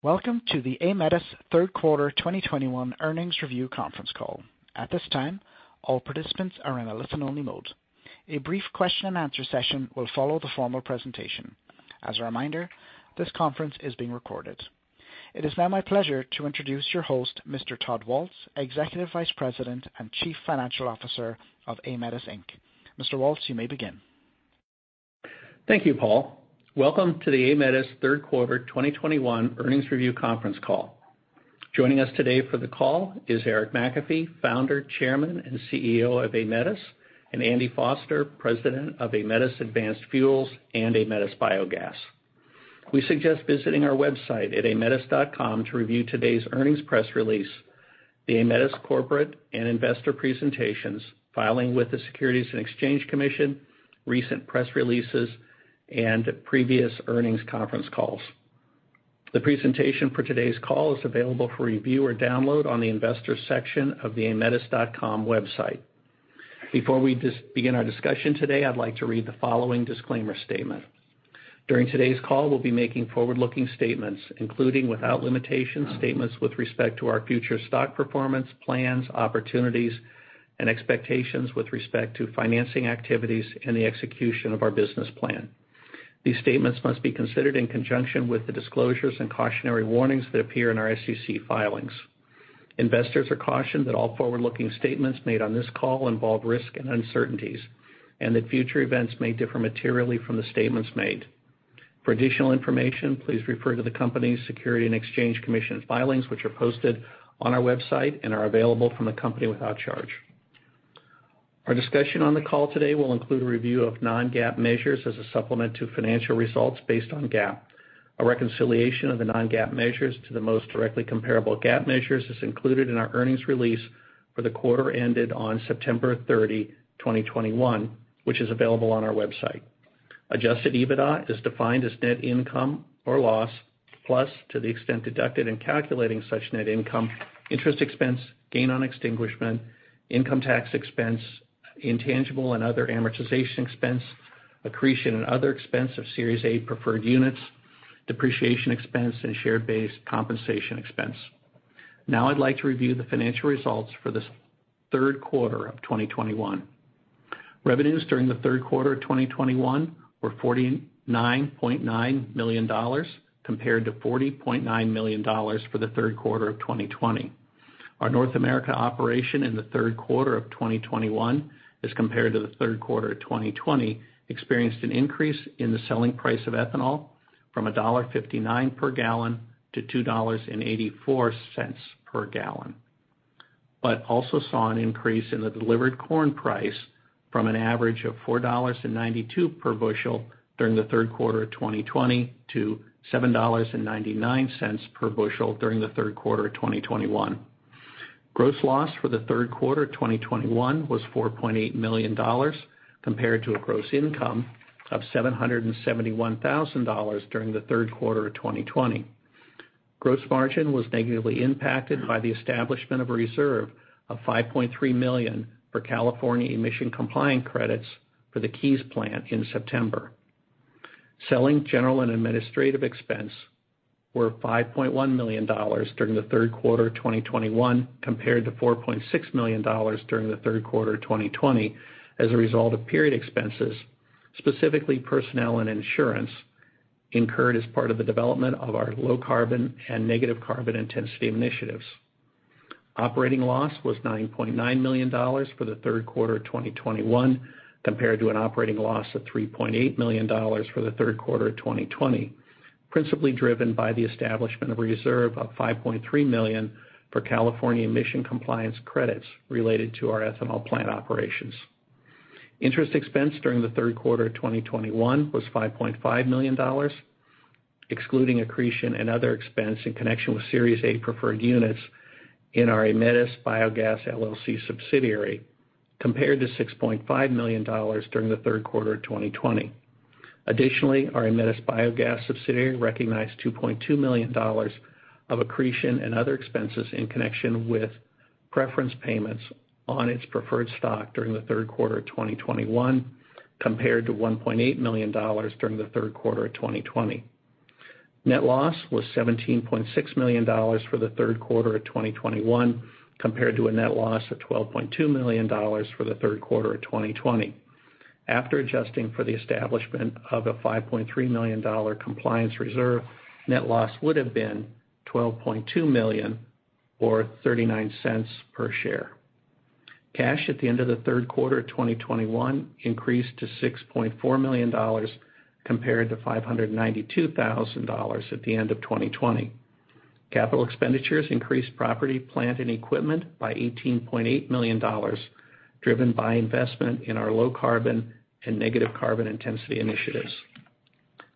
Welcome to the Aemetis third quarter 2021 earnings review conference call. At this time, all participants are in a listen-only mode. A brief question-and-answer session will follow the formal presentation. As a reminder, this conference is being recorded. It is now my pleasure to introduce your host, Mr. Todd Waltz, Executive Vice President and Chief Financial Officer of Aemetis, Inc. Mr. Waltz, you may begin. Thank you, Paul. Welcome to the Aemetis third quarter 2021 earnings review conference call. Joining us today for the call is Eric McAfee, Founder, Chairman, and CEO of Aemetis, and Andy Foster, President of Aemetis Advanced Fuels and Aemetis Biogas. We suggest visiting our website at aemetis.com to review today's earnings press release, the Aemetis corporate and investor presentations, filings with the Securities and Exchange Commission, recent press releases, and previous earnings conference calls. The presentation for today's call is available for review or download on the investors section of the aemetis.com website. Before we begin our discussion today, I'd like to read the following disclaimer statement. During today's call, we'll be making forward-looking statements, including, without limitation, statements with respect to our future stock performance, plans, opportunities, and expectations with respect to financing activities and the execution of our business plan. These statements must be considered in conjunction with the disclosures and cautionary warnings that appear in our SEC filings. Investors are cautioned that all forward-looking statements made on this call involve risk and uncertainties, and that future events may differ materially from the statements made. For additional information, please refer to the company's Securities and Exchange Commission filings, which are posted on our website and are available from the company without charge. Our discussion on the call today will include a review of non-GAAP measures as a supplement to financial results based on GAAP. A reconciliation of the non-GAAP measures to the most directly comparable GAAP measures is included in our earnings release for the quarter ended on September 30, 2021, which is available on our website. Adjusted EBITDA is defined as net income or loss, plus to the extent deducted in calculating such net income, interest expense, gain on extinguishment, income tax expense, intangible and other amortization expense, accretion and other expense of Series A preferred units, depreciation expense and share-based compensation expense. Now I'd like to review the financial results for this third quarter of 2021. Revenues during the third quarter of 2021 were $49.9 million compared to $40.9 million for the third quarter of 2020. Our North America operation in the third quarter of 2021 as compared to the third quarter of 2020 experienced an increase in the selling price of ethanol from $1.59 per gallon to $2.84 per gallon, but also saw an increase in the delivered corn price from an average of $4.92 per bushel during the third quarter of 2020 to $7.99 per bushel during the third quarter of 2021. Gross loss for the third quarter of 2021 was $4.8 million compared to a gross income of $771,000 during the third quarter of 2020. Gross margin was negatively impacted by the establishment of a reserve of $5.3 million for California emission-compliant credits for the Keyes plant in September. Selling, general, and administrative expenses were $5.1 million during the third quarter of 2021 compared to $4.6 million during the third quarter of 2020 as a result of payroll expenses, specifically personnel and insurance incurred as part of the development of our low carbon and negative carbon intensity initiatives. Operating loss was $9.9 million for the third quarter of 2021 compared to an operating loss of $3.8 million for the third quarter of 2020, principally driven by the establishment of a reserve of $5.3 million for California emission compliance credits related to our ethanol plant operations. Interest expense during the third quarter of 2021 was $5.5 million, excluding accretion and other expense in connection with Series A preferred units in our Aemetis Biogas LLC subsidiary, compared to $6.5 million during the third quarter of 2020. Additionally, our Aemetis Biogas subsidiary recognized $2.2 million of accretion and other expenses in connection with preference payments on its preferred stock during the third quarter of 2021 compared to $1.8 million during the third quarter of 2020. Net loss was $17.6 million for the third quarter of 2021 compared to a net loss of $12.2 million for the third quarter of 2020. After adjusting for the establishment of a $5.3 million compliance reserve, net loss would have been $12.2 million or $0.39 per share. Cash at the end of the third quarter of 2021 increased to $6.4 million compared to $592,000 at the end of 2020. Capital expenditures increased property, plant, and equipment by $18.8 million, driven by investment in our low carbon and negative carbon intensity initiatives.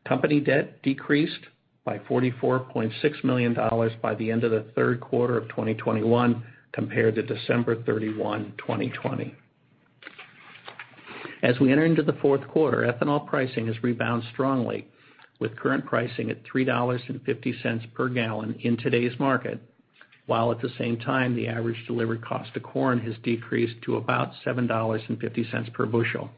Company debt decreased by $44.6 million by the end of the third quarter of 2021 compared to December 31, 2020. As we enter into the fourth quarter, ethanol pricing has rebounded strongly with current pricing at $3.50 per gallon in today's market, while at the same time the average delivery cost of corn has decreased to about $7.50 per bushel.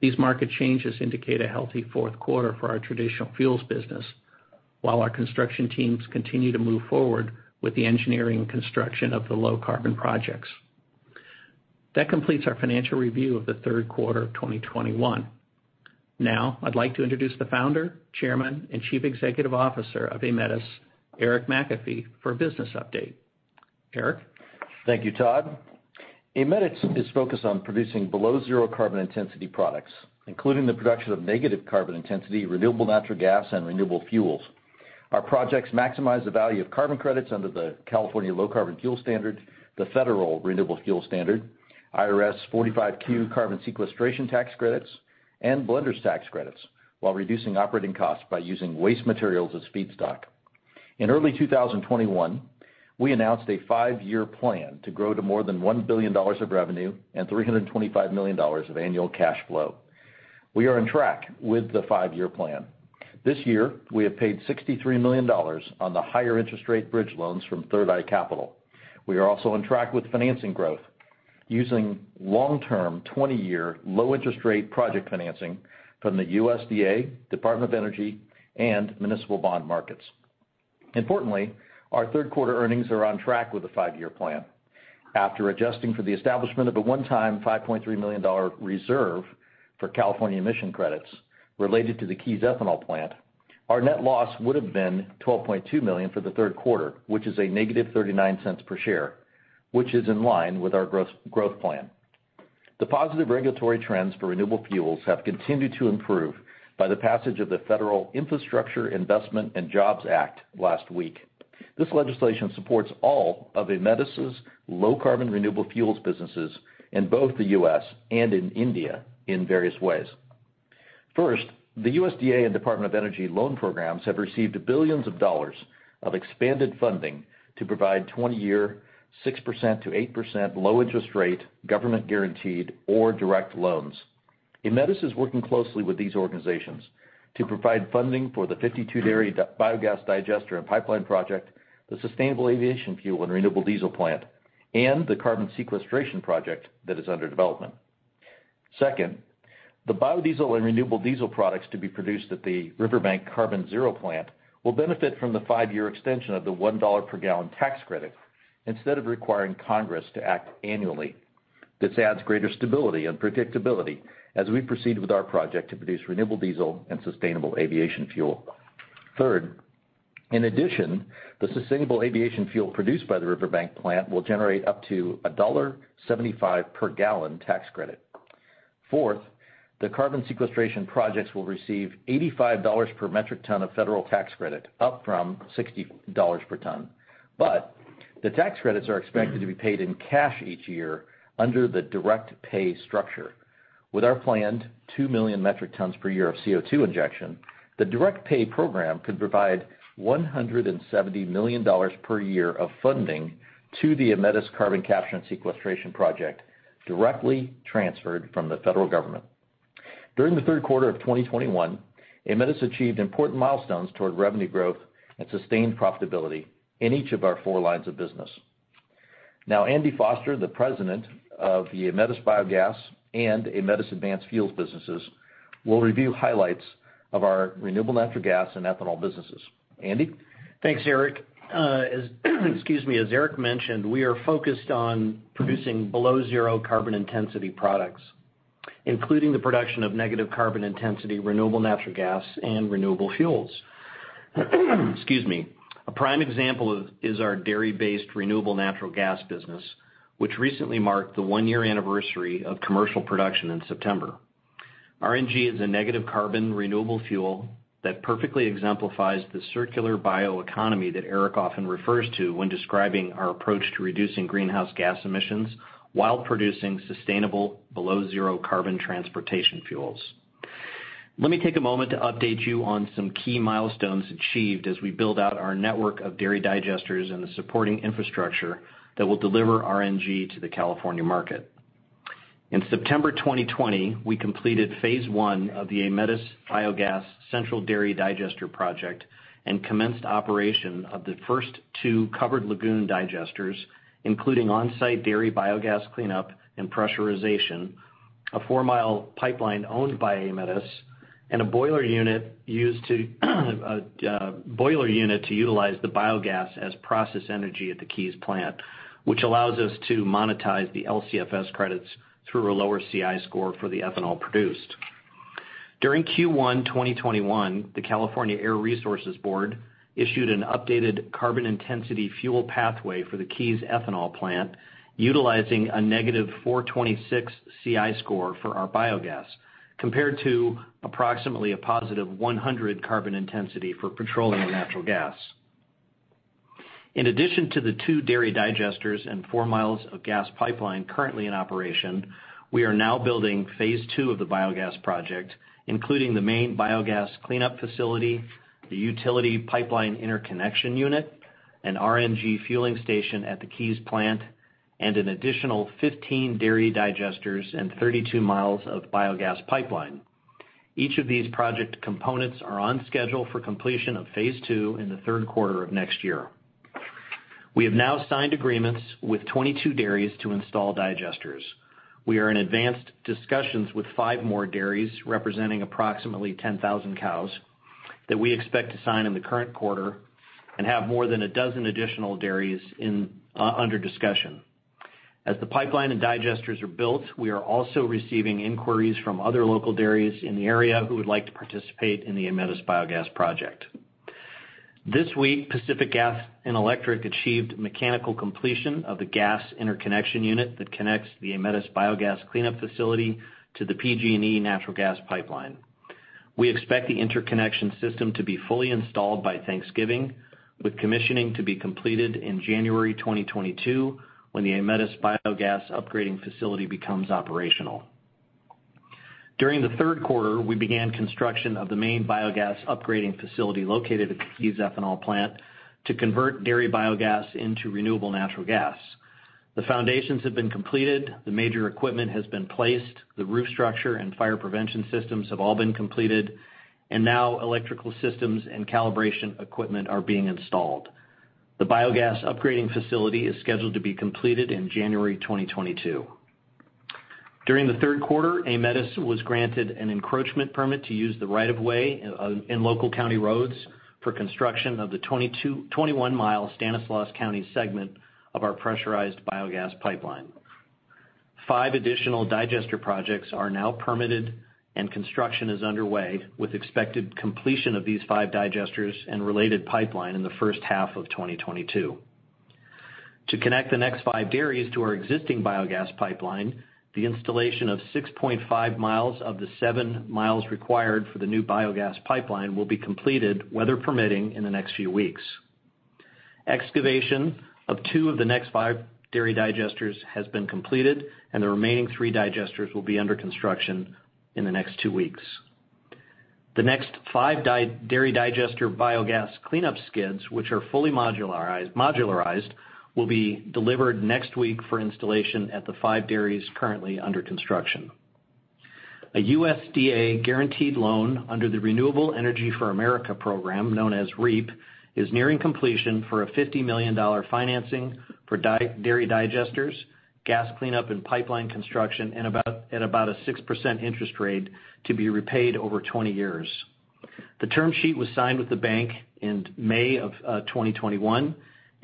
These market changes indicate a healthy fourth quarter for our traditional fuels business, while our construction teams continue to move forward with the engineering and construction of the low carbon projects. That completes our financial review of the third quarter of 2021. Now I'd like to introduce the Founder, Chairman, and Chief Executive Officer of Aemetis, Eric McAfee, for a business update. Eric? Thank you, Todd. Aemetis is focused on producing below zero carbon intensity products, including the production of negative carbon intensity, renewable natural gas, and renewable fuels. Our projects maximize the value of carbon credits under the California Low Carbon Fuel Standard, the federal Renewable Fuel Standard, IRS 45Q carbon sequestration tax credits, and blender's tax credits, while reducing operating costs by using waste materials as feedstock. In early 2021, we announced a five-year plan to grow to more than $1 billion of revenue and $325 million of annual cash flow. We are on track with the five-year plan. This year, we have paid $63 million on the higher interest rate bridge loans from Third Eye Capital. We are also on track with financing growth using long-term, 20-year low interest rate project financing from the USDA, U.S. Department of Energy, and municipal bond markets. Importantly, our third quarter earnings are on track with the five-year plan. After adjusting for the establishment of a one-time $5.3 million reserve for California emission credits related to the Keyes Ethanol plant, our net loss would have been $12.2 million for the third quarter, which is a -$0.39 per share, which is in line with our aggressive growth plan. The positive regulatory trends for renewable fuels have continued to improve by the passage of the Infrastructure Investment and Jobs Act last week. This legislation supports all of Aemetis' low carbon renewable fuels businesses in both the U.S. and in India in various ways. First, the USDA and Department of Energy loan programs have received billions of dollars of expanded funding to provide 20-year 6%-8% low interest rate, government guaranteed or direct loans. Aemetis is working closely with these organizations to provide funding for the 52 dairy biogas digester and pipeline project, the sustainable aviation fuel and renewable diesel plant, and the carbon sequestration project that is under development. Second, the biodiesel and renewable diesel products to be produced at the Riverbank Carbon Zero plant will benefit from the five-year extension of the $1 per gallon tax credit instead of requiring Congress to act annually. This adds greater stability and predictability as we proceed with our project to produce renewable diesel and sustainable aviation fuel. Third, in addition, the sustainable aviation fuel produced by the Riverbank plant will generate up to $1.75 per gallon tax credit. Fourth, the carbon sequestration projects will receive $85 per metric ton of federal tax credit, up from $60 per ton. The tax credits are expected to be paid in cash each year under the direct pay structure. With our planned 2 million metric tons per year of CO2 injection, the direct pay program could provide $170 million per year of funding to the Aemetis carbon capture and sequestration project directly transferred from the federal government. During the third quarter of 2021, Aemetis achieved important milestones toward revenue growth and sustained profitability in each of our four lines of business. Now, Andy Foster, the President of the Aemetis Biogas and Aemetis Advanced Fuels businesses, will review highlights of our renewable natural gas and ethanol businesses. Andy? Thanks, Eric. As Eric mentioned, we are focused on producing below zero carbon intensity products, including the production of negative carbon intensity, renewable natural gas and renewable fuels. A prime example is our dairy-based renewable natural gas business, which recently marked the one-year anniversary of commercial production in September. RNG is a negative carbon renewable fuel that perfectly exemplifies the circular bioeconomy that Eric often refers to when describing our approach to reducing greenhouse gas emissions while producing sustainable below zero carbon transportation fuels. Let me take a moment to update you on some key milestones achieved as we build out our network of dairy digesters and the supporting infrastructure that will deliver RNG to the California market. In September 2020, we completed phase I of the Aemetis Biogas Central Dairy Digester project and commenced operation of the first two covered lagoon digesters, including on-site dairy biogas cleanup and pressurization, a 4-mi pipeline owned by Aemetis, and a boiler unit used to utilize the biogas as process energy at the Keyes plant, which allows us to monetize the LCFS credits through a lower CI score for the ethanol produced. During Q1 2021, the California Air Resources Board issued an updated carbon intensity fuel pathway for the Keyes ethanol plant utilizing a -426 CI score for our biogas, compared to approximately a +100 carbon intensity for petroleum and natural gas. In addition to the two dairy digesters and 4 mi of gas pipeline currently in operation, we are now building phase two of the biogas project, including the main biogas cleanup facility, the utility pipeline interconnection unit, an RNG fueling station at the Keyes plant, and an additional 15 dairy digesters and 32 mi of biogas pipeline. Each of these project components are on schedule for completion of phase II in the third quarter of next year. We have now signed agreements with 22 dairies to install digesters. We are in advanced discussions with five more dairies representing approximately 10,000 cows that we expect to sign in the current quarter and have more than a dozen additional dairies in under discussion. As the pipeline and digesters are built, we are also receiving inquiries from other local dairies in the area who would like to participate in the Aemetis Biogas project. This week, Pacific Gas and Electric achieved mechanical completion of the gas interconnection unit that connects the Aemetis Biogas cleanup facility to the PG&E natural gas pipeline. We expect the interconnection system to be fully installed by Thanksgiving, with commissioning to be completed in January 2022, when the Aemetis Biogas upgrading facility becomes operational. During the third quarter, we began construction of the main biogas upgrading facility located at Keyes ethanol plant to convert dairy biogas into renewable natural gas. The foundations have been completed, the major equipment has been placed, the roof structure and fire prevention systems have all been completed, and now electrical systems and calibration equipment are being installed. The biogas upgrading facility is scheduled to be completed in January 2022. During the third quarter, Aemetis was granted an encroachment permit to use the right of way in local county roads for construction of the 21-mile Stanislaus County segment of our pressurized biogas pipeline. Five additional digester projects are now permitted and construction is underway, with expected completion of these five digesters and related pipeline in the first half of 2022. To connect the next five dairies to our existing biogas pipeline, the installation of 6.5 mi of the 7 mi required for the new biogas pipeline will be completed, weather permitting, in the next few weeks. Excavation of two of the next five dairy digesters has been completed, and the remaining three digesters will be under construction in the next two weeks. The next five dairy digester biogas cleanup skids, which are fully modularized, will be delivered next week for installation at the five dairies currently under construction. A USDA guaranteed loan under the Renewable Energy for America Program, known as REAP, is nearing completion for a $50 million financing for dairy digesters, gas cleanup and pipeline construction at about a 6% interest rate to be repaid over 20 years. The term sheet was signed with the bank in May of 2021,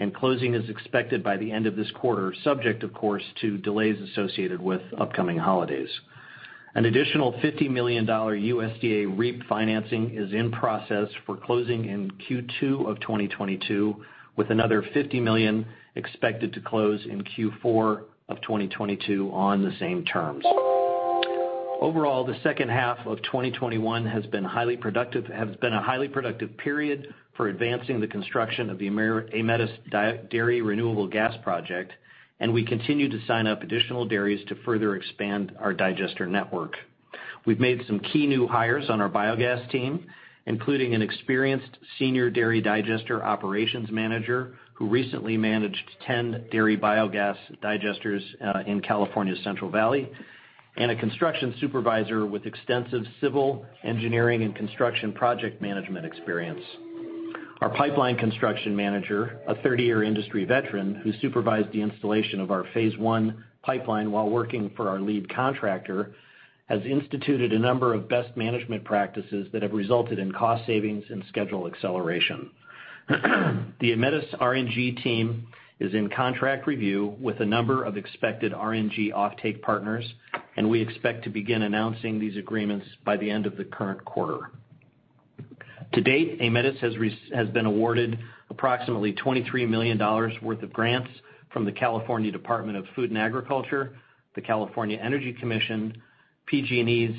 and closing is expected by the end of this quarter, subject, of course, to delays associated with upcoming holidays. An additional $50 million USDA REAP financing is in process for closing in Q2 of 2022, with another $50 million expected to close in Q4 of 2022 on the same terms. Overall, the second half of 2021 has been a highly productive period for advancing the construction of the Aemetis Dairy Renewable Gas Project, and we continue to sign up additional dairies to further expand our digester network. We've made some key new hires on our biogas team, including an experienced senior dairy digester operations manager who recently managed 10 dairy biogas digesters in California's Central Valley, and a construction supervisor with extensive civil engineering and construction project management experience. Our pipeline construction manager, a third-year industry veteran who supervised the installation of our phase one pipeline while working for our lead contractor, has instituted a number of best management practices that have resulted in cost savings and schedule acceleration. The Aemetis RNG team is in contract review with a number of expected RNG offtake partners, and we expect to begin announcing these agreements by the end of the current quarter. To date, Aemetis has been awarded approximately $23 million worth of grants from the California Department of Food and Agriculture, the California Energy Commission, PG&E's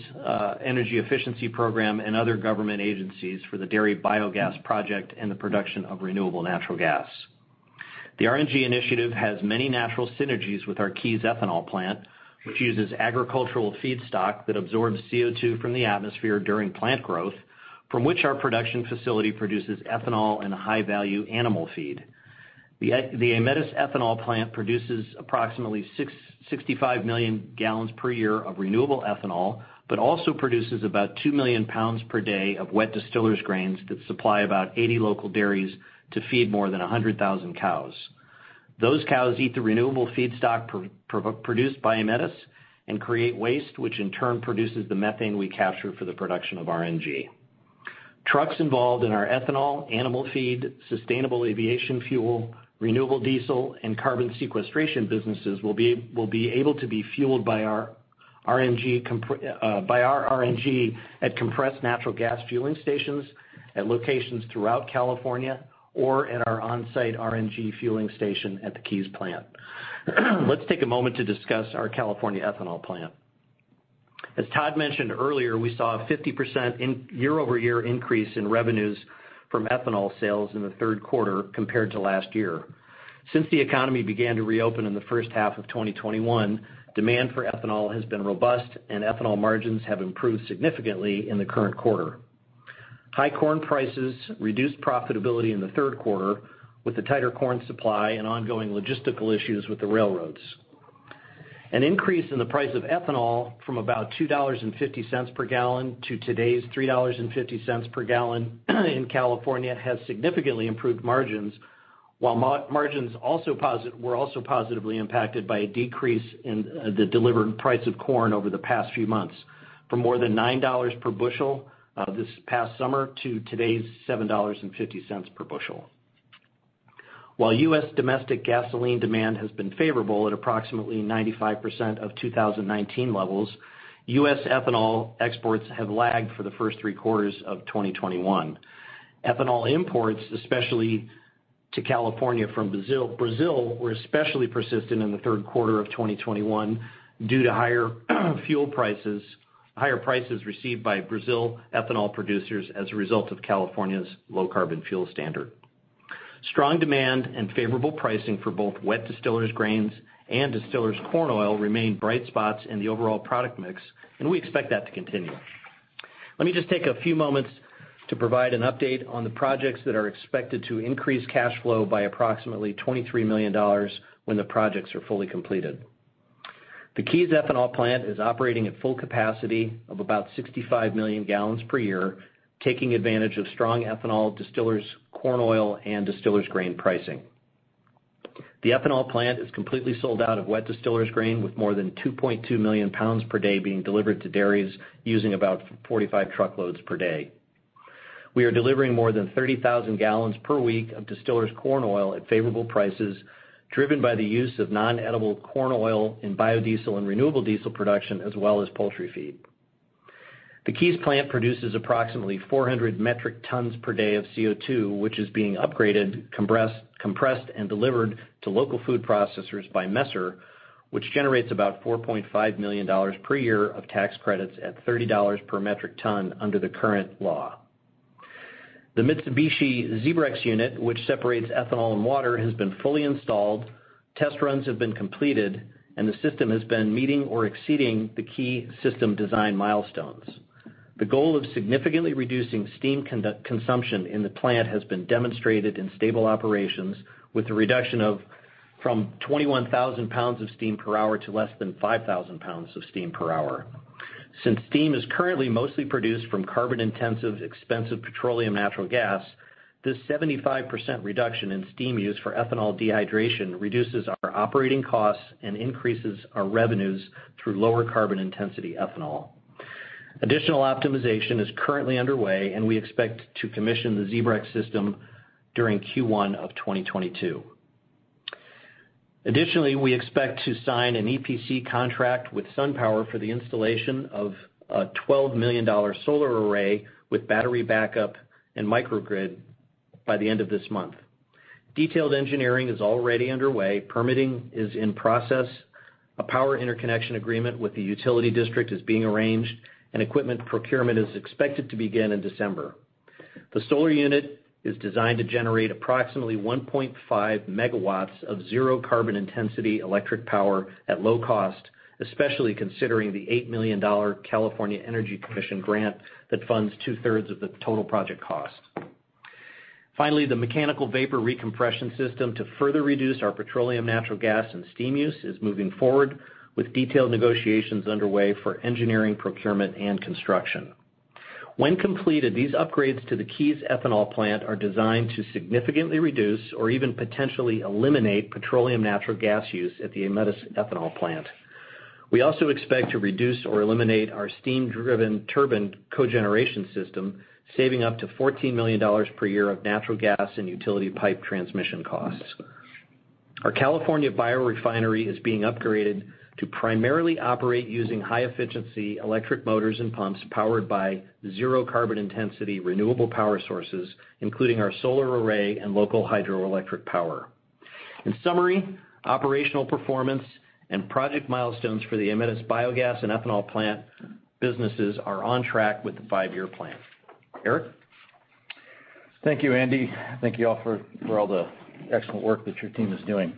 energy efficiency program, and other government agencies for the dairy biogas project and the production of renewable natural gas. The RNG initiative has many natural synergies with our Keyes ethanol plant, which uses agricultural feedstock that absorbs CO2 from the atmosphere during plant growth, from which our production facility produces ethanol and a high-value animal feed. The Aemetis ethanol plant produces approximately 65 million gallons per year of renewable ethanol, but also produces about 2 million lbs per day of wet distillers' grains that supply about 80 local dairies to feed more than 100,000 cows. Those cows eat the renewable feedstock produced by Aemetis and create waste, which in turn produces the methane we capture for the production of RNG. Trucks involved in our ethanol, animal feed, sustainable aviation fuel, renewable diesel, and carbon sequestration businesses will be able to be fueled by our RNG at compressed natural gas fueling stations at locations throughout California or at our on-site RNG fueling station at the Keyes plant. Let's take a moment to discuss our California ethanol plant. As Todd mentioned earlier, we saw a 50% year-over-year increase in revenues from ethanol sales in the third quarter compared to last year. Since the economy began to reopen in the first half of 2021, demand for ethanol has been robust and ethanol margins have improved significantly in the current quarter. High corn prices reduced profitability in the third quarter with the tighter corn supply and ongoing logistical issues with the railroads. An increase in the price of ethanol from about $2.50 per gallon to today's $3.50 per gallon in California has significantly improved margins, while margins were also positively impacted by a decrease in the delivered price of corn over the past few months, from more than $9 per bushel this past summer to today's $7.50 per bushel. While U.S. domestic gasoline demand has been favorable at approximately 95% of 2019 levels, U.S. ethanol exports have lagged for the first three quarters of 2021. Ethanol imports, especially to California from Brazil, were especially persistent in the third quarter of 2021 due to higher prices received by Brazil ethanol producers as a result of California's Low Carbon Fuel Standard. Strong demand and favorable pricing for both wet distillers' grains and Distiller's Corn Oil remain bright spots in the overall product mix, and we expect that to continue. Let me just take a few moments to provide an update on the projects that are expected to increase cash flow by approximately $23 million when the projects are fully completed. The Keyes ethanol plant is operating at full capacity of about 65 million gallons per year, taking advantage of strong ethanol distillers' corn oil and distillers' grain pricing. The ethanol plant is completely sold out of wet distillers grain, with more than 2.2 million lbs per day being delivered to dairies using about 45 truckloads per day. We are delivering more than 30,000 gallons per week of distillers' corn oil at favorable prices, driven by the use of non-edible corn oil in biodiesel and renewable diesel production, as well as poultry feed. The Keyes plant produces approximately 400 metric tons per day of CO2, which is being upgraded, compressed and delivered to local food processors by Messer, which generates about $4.5 million per year of tax credits at $30 per metric ton under the current law. The Mitsubishi ZEBREX unit, which separates ethanol and water, has been fully installed, test runs have been completed, and the system has been meeting or exceeding the key system design milestones. The goal of significantly reducing steam consumption in the plant has been demonstrated in stable operations with a reduction from 21,000 lbs of steam per hour to less than 5,000 lbs of steam per hour. Since steam is currently mostly produced from carbon-intensive, expensive petroleum natural gas, this 75% reduction in steam used for ethanol dehydration reduces our operating costs and increases our revenues through lower carbon intensity ethanol. Additional optimization is currently underway, and we expect to commission the ZEBREX system during Q1 of 2022. Additionally, we expect to sign an EPC contract with SunPower for the installation of a $12 million solar array with battery backup and microgrid by the end of this month. Detailed engineering is already underway. Permitting is in process. A power interconnection agreement with the utility district is being arranged, and equipment procurement is expected to begin in December. The solar unit is designed to generate approximately 1.5 MW of zero carbon intensity electric power at low cost, especially considering the $8 million California Energy Commission grant that funds 2/3 of the total project cost. Finally, the mechanical vapor recompression system to further reduce our petroleum natural gas and steam use is moving forward with detailed negotiations underway for engineering, procurement, and construction. When completed, these upgrades to the Keyes ethanol plant are designed to significantly reduce or even potentially eliminate petroleum natural gas use at the Aemetis ethanol plant. We also expect to reduce or eliminate our steam-driven turbine cogeneration system, saving up to $14 million per year of natural gas and utility pipe transmission costs. Our California biorefinery is being upgraded to primarily operate using high-efficiency electric motors and pumps powered by zero carbon intensity renewable power sources, including our solar array and local hydroelectric power. In summary, operational performance and project milestones for the Aemetis biogas and ethanol plant businesses are on track with the five-year plan. Eric? Thank you, Andy. Thank you all for all the excellent work that your team is doing.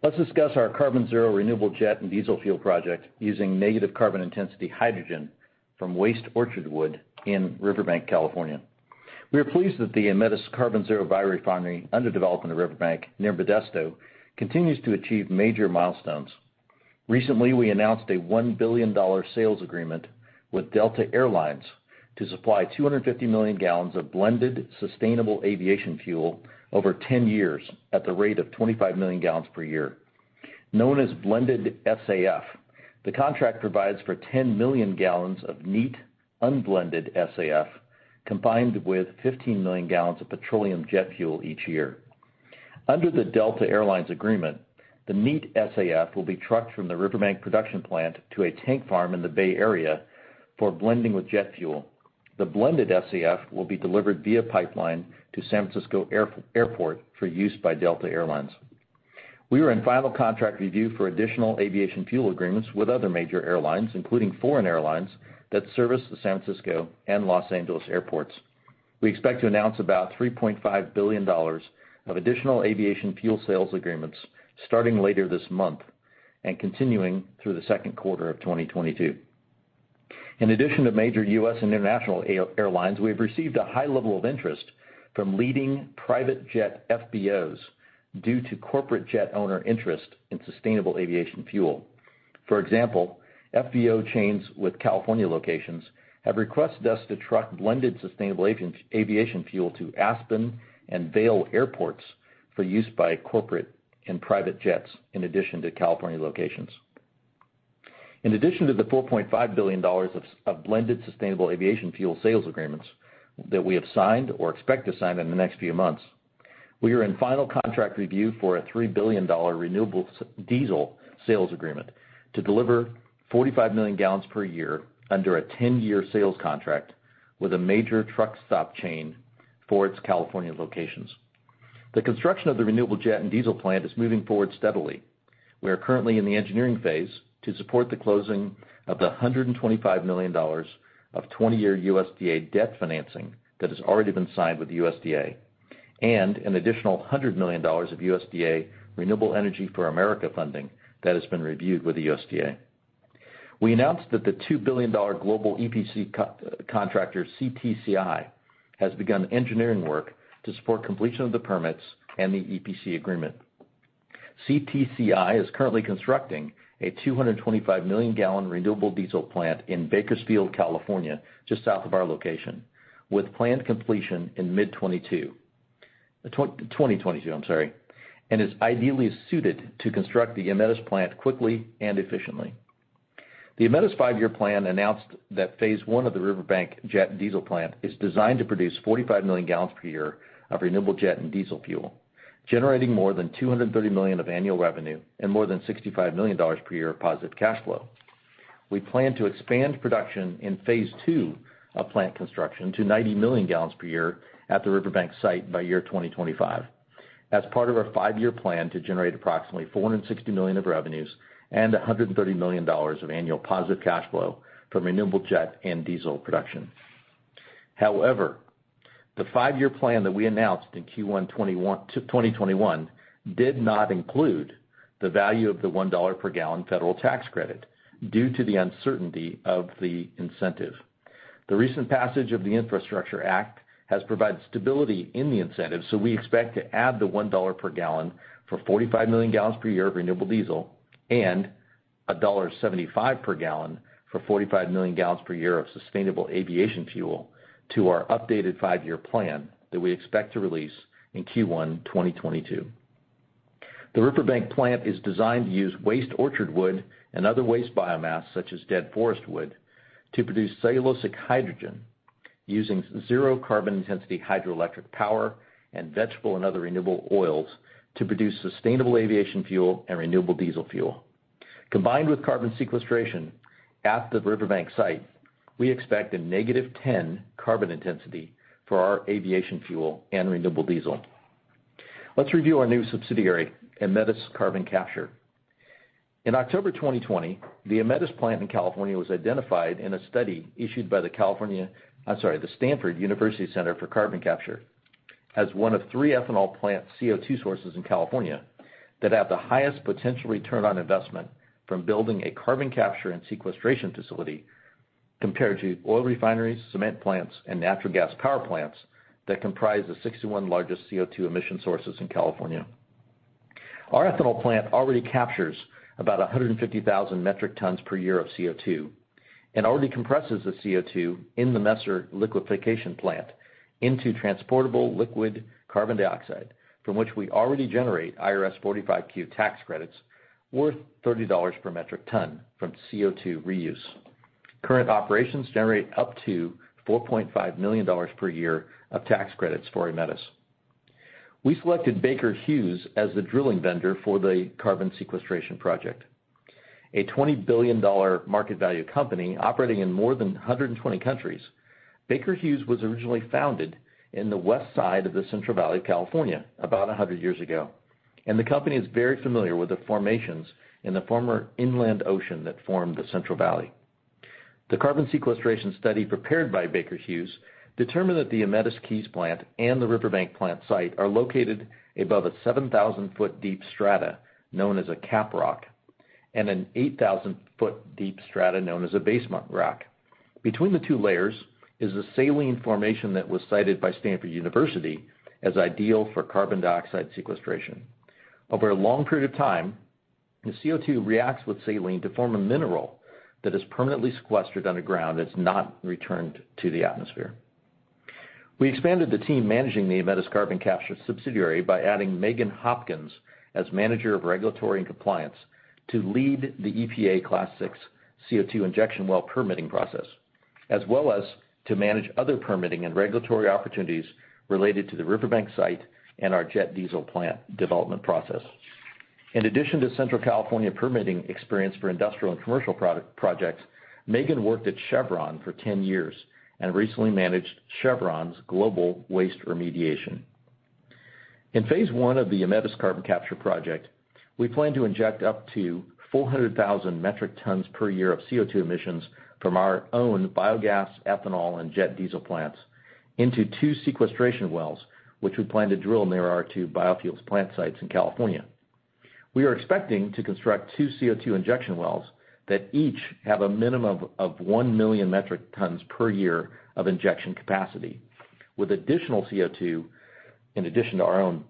Let's discuss our Carbon Zero renewable jet and diesel fuel project using negative carbon intensity hydrogen from waste orchard wood in Riverbank, California. We are pleased that the Aemetis Carbon Zero biorefinery under development in Riverbank near Modesto continues to achieve major milestones. Recently, we announced a $1 billion sales agreement with Delta Air Lines to supply 250 million gallons of blended sustainable aviation fuel over 10 years at the rate of 25 million gallons per year. Known as blended SAF, the contract provides for 10 million gallons of neat unblended SAF, combined with 15 million gallons of petroleum jet fuel each year. Under the Delta Air Lines agreement, the neat SAF will be trucked from the Riverbank production plant to a tank farm in the Bay Area for blending with jet fuel. The blended SAF will be delivered via pipeline to San Francisco Airport for use by Delta Air Lines. We are in final contract review for additional aviation fuel agreements with other major airlines, including foreign airlines, that service the San Francisco and Los Angeles airports. We expect to announce about $3.5 billion of additional aviation fuel sales agreements starting later this month and continuing through the second quarter of 2022. In addition to major U.S. and international airlines, we have received a high level of interest from leading private jet FBOs due to corporate jet owner interest in sustainable aviation fuel. For example, FBO chains with California locations have requested us to truck blended sustainable aviation fuel to Aspen and Vail airports for use by corporate and private jets in addition to California locations. In addition to the $4.5 billion of blended sustainable aviation fuel sales agreements that we have signed or expect to sign in the next few months, we are in final contract review for a $3 billion renewable diesel sales agreement to deliver 45 million gallons per year under a 10-year sales contract with a major truck stop chain for its California locations. The construction of the renewable jet and diesel plant is moving forward steadily. We are currently in the engineering phase to support the closing of the $125 million of 20-year USDA debt financing that has already been signed with the USDA, and an additional $100 million of USDA Rural Energy for America funding that has been reviewed with the USDA. We announced that the $2 billion global EPC co-contractor, CTCI, has begun engineering work to support completion of the permits and the EPC agreement. CTCI is currently constructing a 225 million gallon renewable diesel plant in Bakersfield, California, just south of our location, with planned completion in mid 2022, and is ideally suited to construct the Aemetis plant quickly and efficiently. The Aemetis five-year plan announced that phase I of the Riverbank jet and diesel plant is designed to produce 45 million gallons per year of renewable jet and diesel fuel, generating more than $230 million of annual revenue and more than $65 million per year positive cash flow. We plan to expand production in phase II of plant construction to 90 million gallons per year at the Riverbank site by 2025 as part of our five-year plan to generate approximately $460 million of revenues and $130 million of annual positive cash flow from renewable jet and diesel production. However, the five-year plan that we announced in Q1 2021 did not include the value of the $1 per gallon federal tax credit due to the uncertainty of the incentive. The recent passage of the Infrastructure Act has provided stability in the incentive, so we expect to add the $1 per gallon for 45 million gallons per year of renewable diesel and $1.75 per gallon for 45 million gallons per year of sustainable aviation fuel to our updated five-year plan that we expect to release in Q1 2022. The Riverbank plant is designed to use waste orchard wood and other waste biomass, such as dead forest wood, to produce cellulosic hydrogen using zero carbon intensity hydroelectric power and vegetable and other renewable oils to produce sustainable aviation fuel and renewable diesel fuel. Combined with carbon sequestration at the Riverbank site, we expect a negative 10 carbon intensity for our aviation fuel and renewable diesel. Let's review our new subsidiary, Aemetis Carbon Capture. In October 2020, the Aemetis plant in California was identified in a study issued by the Stanford University Center for Carbon Capture, as one of three ethanol plants CO2 sources in California that have the highest potential return on investment from building a carbon capture and sequestration facility compared to oil refineries, cement plants, and natural gas power plants that comprise the 61 largest CO2 emission sources in California. Our ethanol plant already captures about 150,000 metric tons per year of CO2 and already compresses the CO2 in the Messer liquefaction plant into transportable liquid carbon dioxide, from which we already generate IRS 45Q tax credits worth $30 per metric ton from CO2 reuse. Current operations generate up to $4.5 million per year of tax credits for Aemetis. We selected Baker Hughes as the drilling vendor for the carbon sequestration project. A $20 billion market value company operating in more than 120 countries, Baker Hughes was originally founded in the west side of the Central Valley of California about 100 years ago, and the company is very familiar with the formations in the former inland ocean that formed the Central Valley. The carbon sequestration study prepared by Baker Hughes determined that the Aemetis Keyes plant and the Riverbank plant site are located above a 7,000-ft deep strata known as a cap rock and an 8,000-ft deep strata known as a basement rock. Between the two layers is a saline formation that was cited by Stanford University as ideal for carbon dioxide sequestration. Over a long period of time, the CO2 reacts with saline to form a mineral that is permanently sequestered underground that's not returned to the atmosphere. We expanded the team managing the Aemetis Carbon Capture subsidiary by adding Mehagan Hopkins as manager of regulatory and compliance to lead the EPA Class VI CO2 injection well permitting process, as well as to manage other permitting and regulatory opportunities related to the Riverbank site and our jet/diesel plant development process. In addition to Central California permitting experience for industrial and commercial projects, Mehagan worked at Chevron for 10 years and recently managed Chevron's global waste remediation. In phase I of the Aemetis Carbon Capture project, we plan to inject up to 400,000 metric tons per year of CO2 emissions from our own biogas, ethanol, and jet/diesel plants into two sequestration wells, which we plan to drill near our two biofuels plant sites in California. We are expecting to construct two CO2 injection wells that each have a minimum of 1 million metric tons per year of injection capacity, with additional CO2, in addition to our own,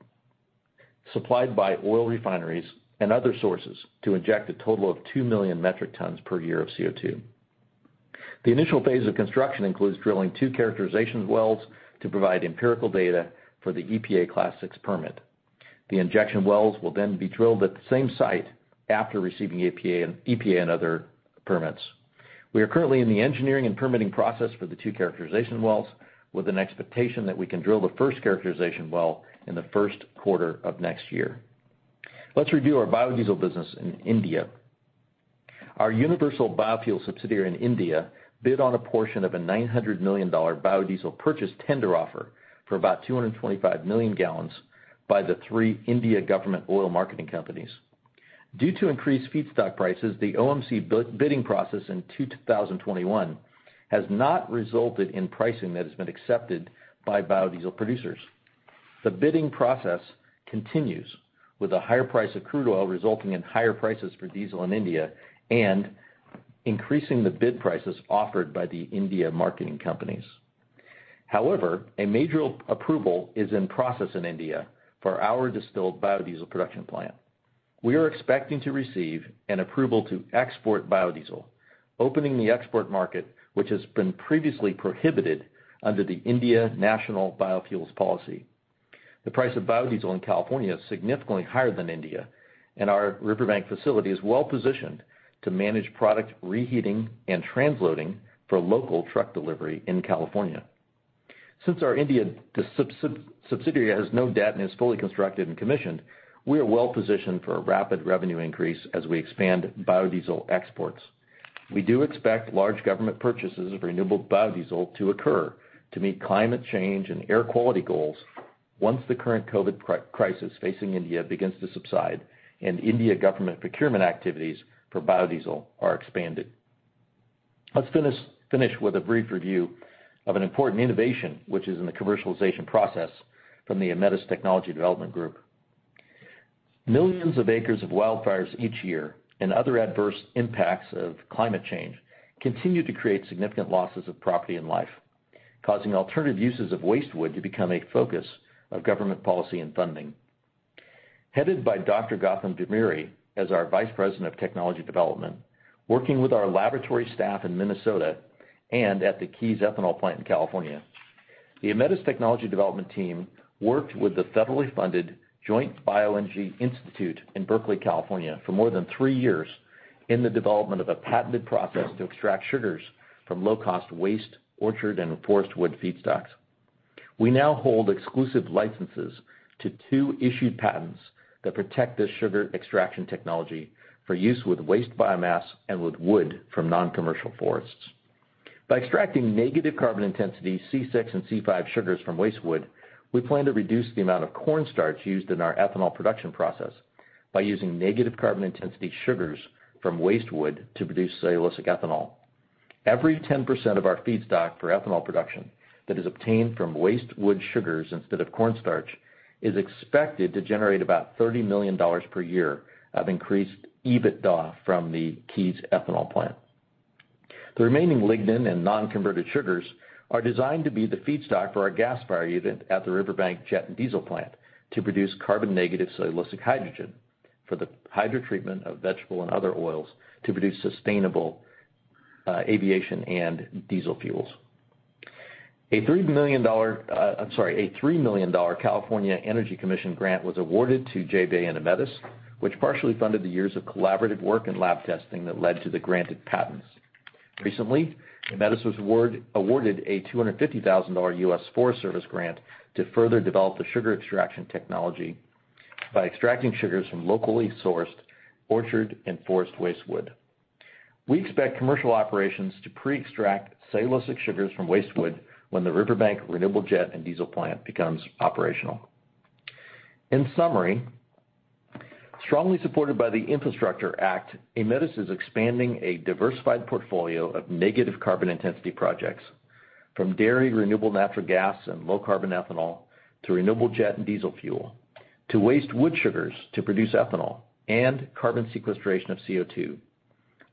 supplied by oil refineries and other sources to inject a total of 2 million metric tons per year of CO2. The initial phase of construction includes drilling two characterization wells to provide empirical data for the EPA Class VI permit. The injection wells will then be drilled at the same site after receiving EPA and other permits. We are currently in the engineering and permitting process for the two characterization wells, with an expectation that we can drill the first characterization well in the first quarter of next year. Let's review our biodiesel business in India. Our Universal Biofuels subsidiary in India bid on a portion of a $900 million biodiesel purchase tender offer for about 225 million gallons by the three Indian government oil marketing companies. Due to increased feedstock prices, the OMC bidding process in 2021 has not resulted in pricing that has been accepted by biodiesel producers. The bidding process continues, with a higher price of crude oil resulting in higher prices for diesel in India and increasing the bid prices offered by the Indian marketing companies. However, a major approval is in process in India for our distilled biodiesel production plant. We are expecting to receive an approval to export biodiesel, opening the export market, which has been previously prohibited under the India National Biofuels Policy. The price of biodiesel in California is significantly higher than India, and our Riverbank facility is well positioned to manage product reheating and transloading for local truck delivery in California. Since our Indian subsidiary has no debt and is fully constructed and commissioned, we are well positioned for a rapid revenue increase as we expand biodiesel exports. We do expect large government purchases of renewable biodiesel to occur to meet climate change and air quality goals once the current COVID crisis facing India begins to subside and Indian government procurement activities for biodiesel are expanded. Let's finish with a brief review of an important innovation, which is in the commercialization process from the Aemetis technology development group. Millions of acres of wildfires each year and other adverse impacts of climate change continue to create significant losses of property and life, causing alternative uses of waste wood to become a focus of government policy and funding. Headed by Dr. Goutham Vemuri as our Vice President of Technology Development, working with our laboratory staff in Minnesota and at the Keyes ethanol plant in California, the Aemetis technology development team worked with the federally funded Joint BioEnergy Institute in Berkeley, California, for more than three years in the development of a patented process to extract sugars from low-cost waste orchard and forest wood feedstocks. We now hold exclusive licenses to two issued patents that protect this sugar extraction technology for use with waste biomass and with wood from non-commercial forests. By extracting negative carbon intensity C6 and C5 sugars from waste wood, we plan to reduce the amount of corn starch used in our ethanol production process by using negative carbon intensity sugars from waste wood to produce cellulosic ethanol. Every 10% of our feedstock for ethanol production that is obtained from waste wood sugars instead of corn starch is expected to generate about $30 million per year of increased EBITDA from the Keyes ethanol plant. The remaining lignin and non-converted sugars are designed to be the feedstock for our gasifier unit at the Riverbank jet and diesel plant to produce carbon-negative cellulosic hydrogen for the hydrotreatment of vegetable and other oils to produce sustainable aviation and diesel fuels. A $3 million California Energy Commission grant was awarded to JBEI and Aemetis, which partially funded the years of collaborative work and lab testing that led to the granted patents. Recently, Aemetis was awarded a $250,000 U.S. Forest Service grant to further develop the sugar extraction technology by extracting sugars from locally sourced orchard and forest waste wood. We expect commercial operations to pre-extract cellulosic sugars from waste wood when the Riverbank Renewable Jet and Diesel plant becomes operational. In summary, strongly supported by the Infrastructure Act, Aemetis is expanding a diversified portfolio of negative carbon intensity projects from dairy, renewable natural gas, and low carbon ethanol to renewable jet and diesel fuel, to waste wood sugars to produce ethanol and carbon sequestration of CO2.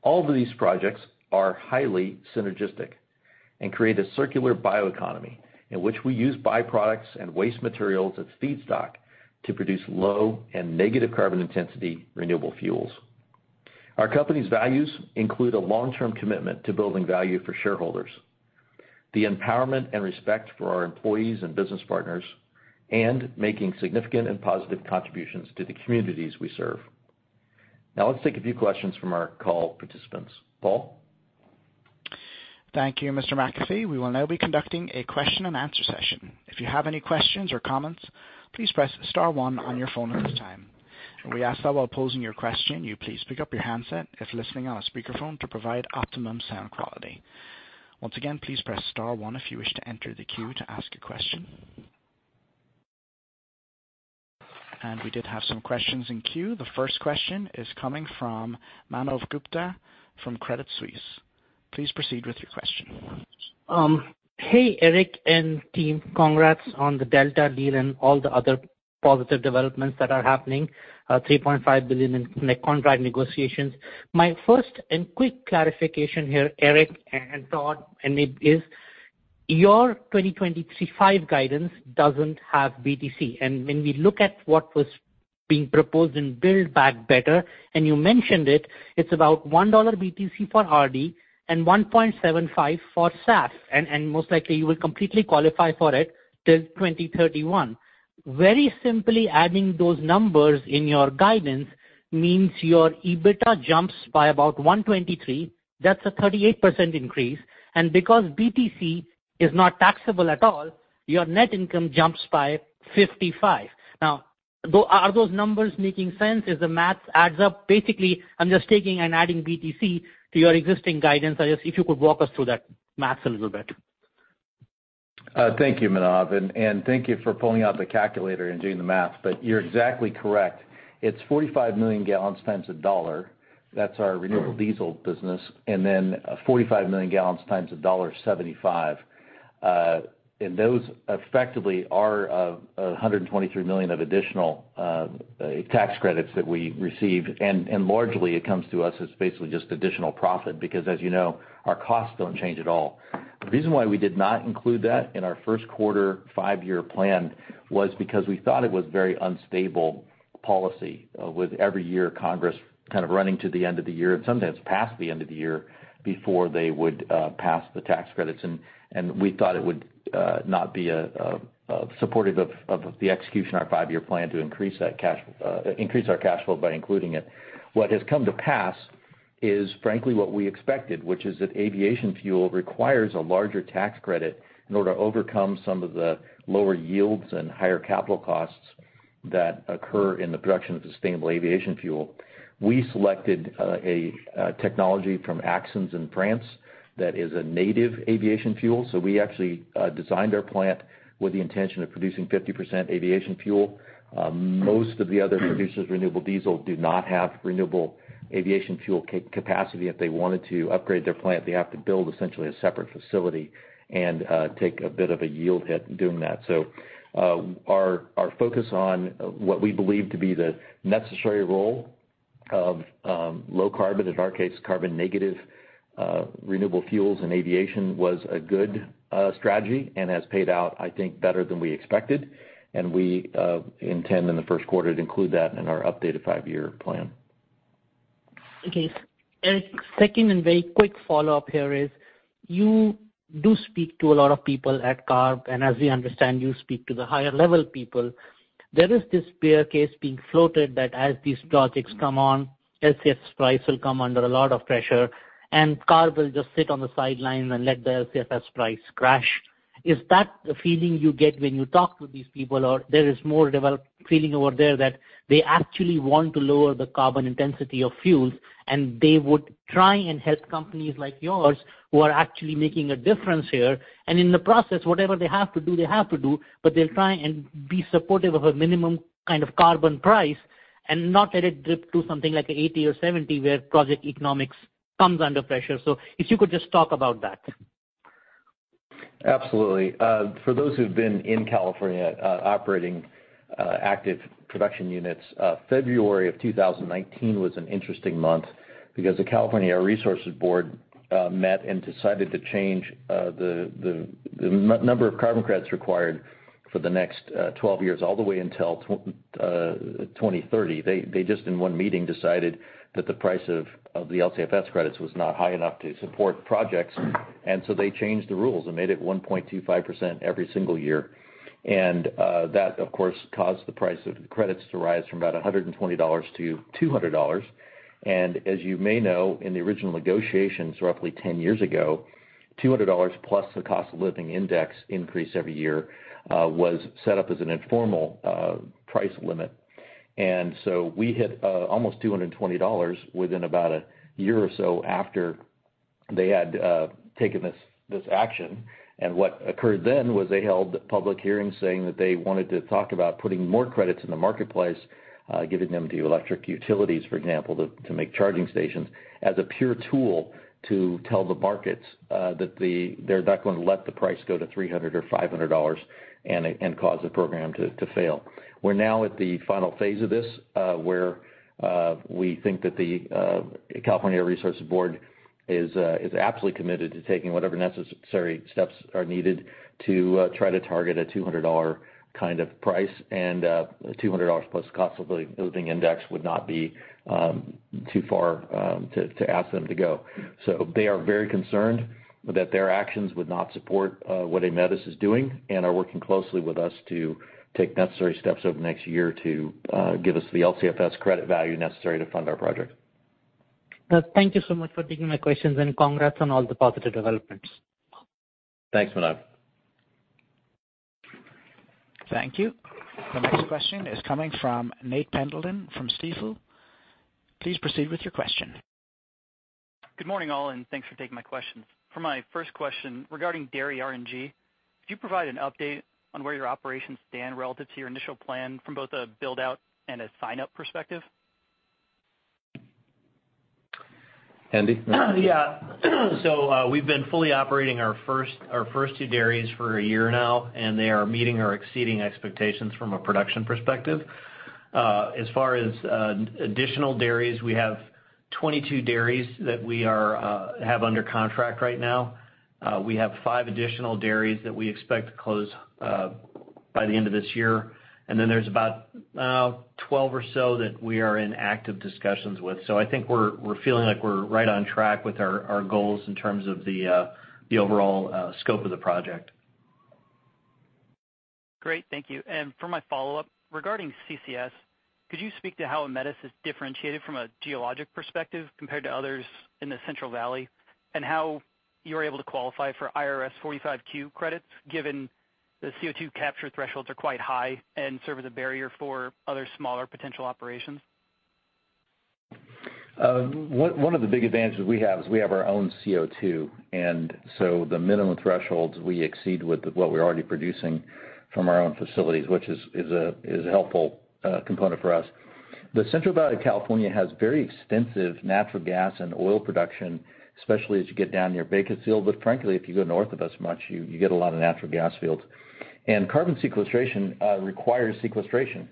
All of these projects are highly synergistic and create a circular bioeconomy in which we use byproducts and waste materials as feedstock to produce low and negative carbon intensity renewable fuels. Our company's values include a long-term commitment to building value for shareholders, the empowerment and respect for our employees and business partners, and making significant and positive contributions to the communities we serve. Now let's take a few questions from our call participants. Paul? Thank you, Mr. McAfee. We will now be conducting a question and answer session. If you have any questions or comments, please press star one on your phone at this time. We ask that while posing your question, you please pick up your handset if listening on a speakerphone to provide optimum sound quality. Once again, please press star one if you wish to enter the queue to ask a question. We did have some questions in queue. The first question is coming from Manav Gupta from Credit Suisse. Please proceed with your question. Hey, Eric and team. Congrats on the Delta deal and all the other positive developments that are happening, $3.5 billion in net contract negotiations. My first and quick clarification here, Eric and Todd, and it is your 2025 guidance doesn't have BTC. When we look at what was being proposed in build back better, and you mentioned it's about $1 BTC for RD and $1.75 for SAF, and most likely you will completely qualify for it till 2031. Very simply adding those numbers in your guidance means your EBITDA jumps by about $123 million. That's a 38% increase. Because BTC is not taxable at all, your net income jumps by $55 million. Now, though, are those numbers making sense? Is the math adds up? Basically, I'm just taking and adding BTC to your existing guidance. I just, if you could walk us through that math a little bit. Thank you, Manav, and thank you for pulling out the calculator and doing the math, but you're exactly correct. It's 45 million gallons times $1. That's our renewable diesel business. Then 45 million gallons times $1.75. And those effectively are $123 million of additional tax credits that we received. Largely it comes to us as basically just additional profit because as you know, our costs don't change at all. The reason why we did not include that in our first quarter five-year plan was because we thought it was very unstable policy with every year Congress kind of running to the end of the year and sometimes past the end of the year before they would pass the tax credits. We thought it would not be supportive of the execution of our five-year plan to increase our cash flow by including it. What has come to pass is frankly what we expected, which is that aviation fuel requires a larger tax credit in order to overcome some of the lower yields and higher capital costs that occur in the production of sustainable aviation fuel. We selected a technology from Axens in France that is a native aviation fuel. We actually designed our plant with the intention of producing 50% aviation fuel. Most of the other producers of renewable diesel do not have renewable aviation fuel capacity. If they wanted to upgrade their plant, they have to build essentially a separate facility and take a bit of a yield hit doing that. Our focus on what we believe to be the necessary role of low carbon, in our case, carbon negative, renewable fuels and aviation was a good strategy and has paid out, I think, better than we expected. We intend in the first quarter to include that in our updated five-year plan. Okay. Eric, second and very quick follow-up here is, you do speak to a lot of people at CARB, and as we understand, you speak to the higher level people. There is this bear case being floated that as these projects come on, LCFS price will come under a lot of pressure, and CARB will just sit on the sidelines and let the LCFS price crash. Is that the feeling you get when you talk to these people, or there is more developed feeling over there that they actually want to lower the carbon intensity of fuels, and they would try and help companies like yours who are actually making a difference here, and in the process, whatever they have to do, they have to do, but they'll try and be supportive of a minimum kind of carbon price and not let it drip to something like 80 or 70, where project economics comes under pressure. If you could just talk about that. Absolutely. For those who've been in California operating active production units, February 2019 was an interesting month because the California Air Resources Board met and decided to change the number of carbon credits required for the next 12 years, all the way until 2030. They just in one meeting decided that the price of the LCFS credits was not high enough to support projects, and so they changed the rules and made it 1.25% every single year. That of course caused the price of the credits to rise from about $120- $200. As you may know, in the original negotiations roughly 10 years ago, $200 plus the cost of living index increase every year was set up as an informal price limit. We hit almost $220 within about a year or so after they had taken this action. What occurred then was they held public hearings saying that they wanted to talk about putting more credits in the marketplace, giving them to electric utilities, for example, to make charging stations as a pure tool to tell the markets that they're not gonna let the price go to $300 or $500 and cause the program to fail. We're now at the final phase of this, where we think that the California Air Resources Board is absolutely committed to taking whatever necessary steps are needed to try to target a $200 kind of price and $200 plus cost of living index would not be too far to ask them to go. They are very concerned that their actions would not support what Aemetis is doing and are working closely with us to take necessary steps over the next year to give us the LCFS credit value necessary to fund our project. Thank you so much for taking my questions, and congrats on all the positive developments. Thanks, Manav. Thank you. The next question is coming from Nate Pendleton from Stifel. Please proceed with your question. Good morning, all, and thanks for taking my questions. For my first question, regarding dairy RNG, could you provide an update on where your operations stand relative to your initial plan from both a build-out and a sign-up perspective? Andy? Yeah. We've been fully operating our first two dairies for a year now, and they are meeting or exceeding expectations from a production perspective. As far as additional dairies, we have 22 dairies that we have under contract right now. We have five additional dairies that we expect to close by the end of this year. Then there's about 12 or so that we are in active discussions with. I think we're feeling like we're right on track with our goals in terms of the overall scope of the project. Great. Thank you. For my follow-up, regarding CCS, could you speak to how Aemetis is differentiated from a geologic perspective compared to others in the Central Valley, and how you're able to qualify for IRS 45Q credits given the CO2 capture thresholds are quite high and serve as a barrier for other smaller potential operations? One of the big advantages we have is we have our own CO2, and so the minimum thresholds we exceed with what we're already producing from our own facilities, which is a helpful component for us. The Central Valley of California has very extensive natural gas and oil production, especially as you get down near Bakersfield, but frankly, if you go north of us much, you get a lot of natural gas fields. Carbon sequestration requires sequestration,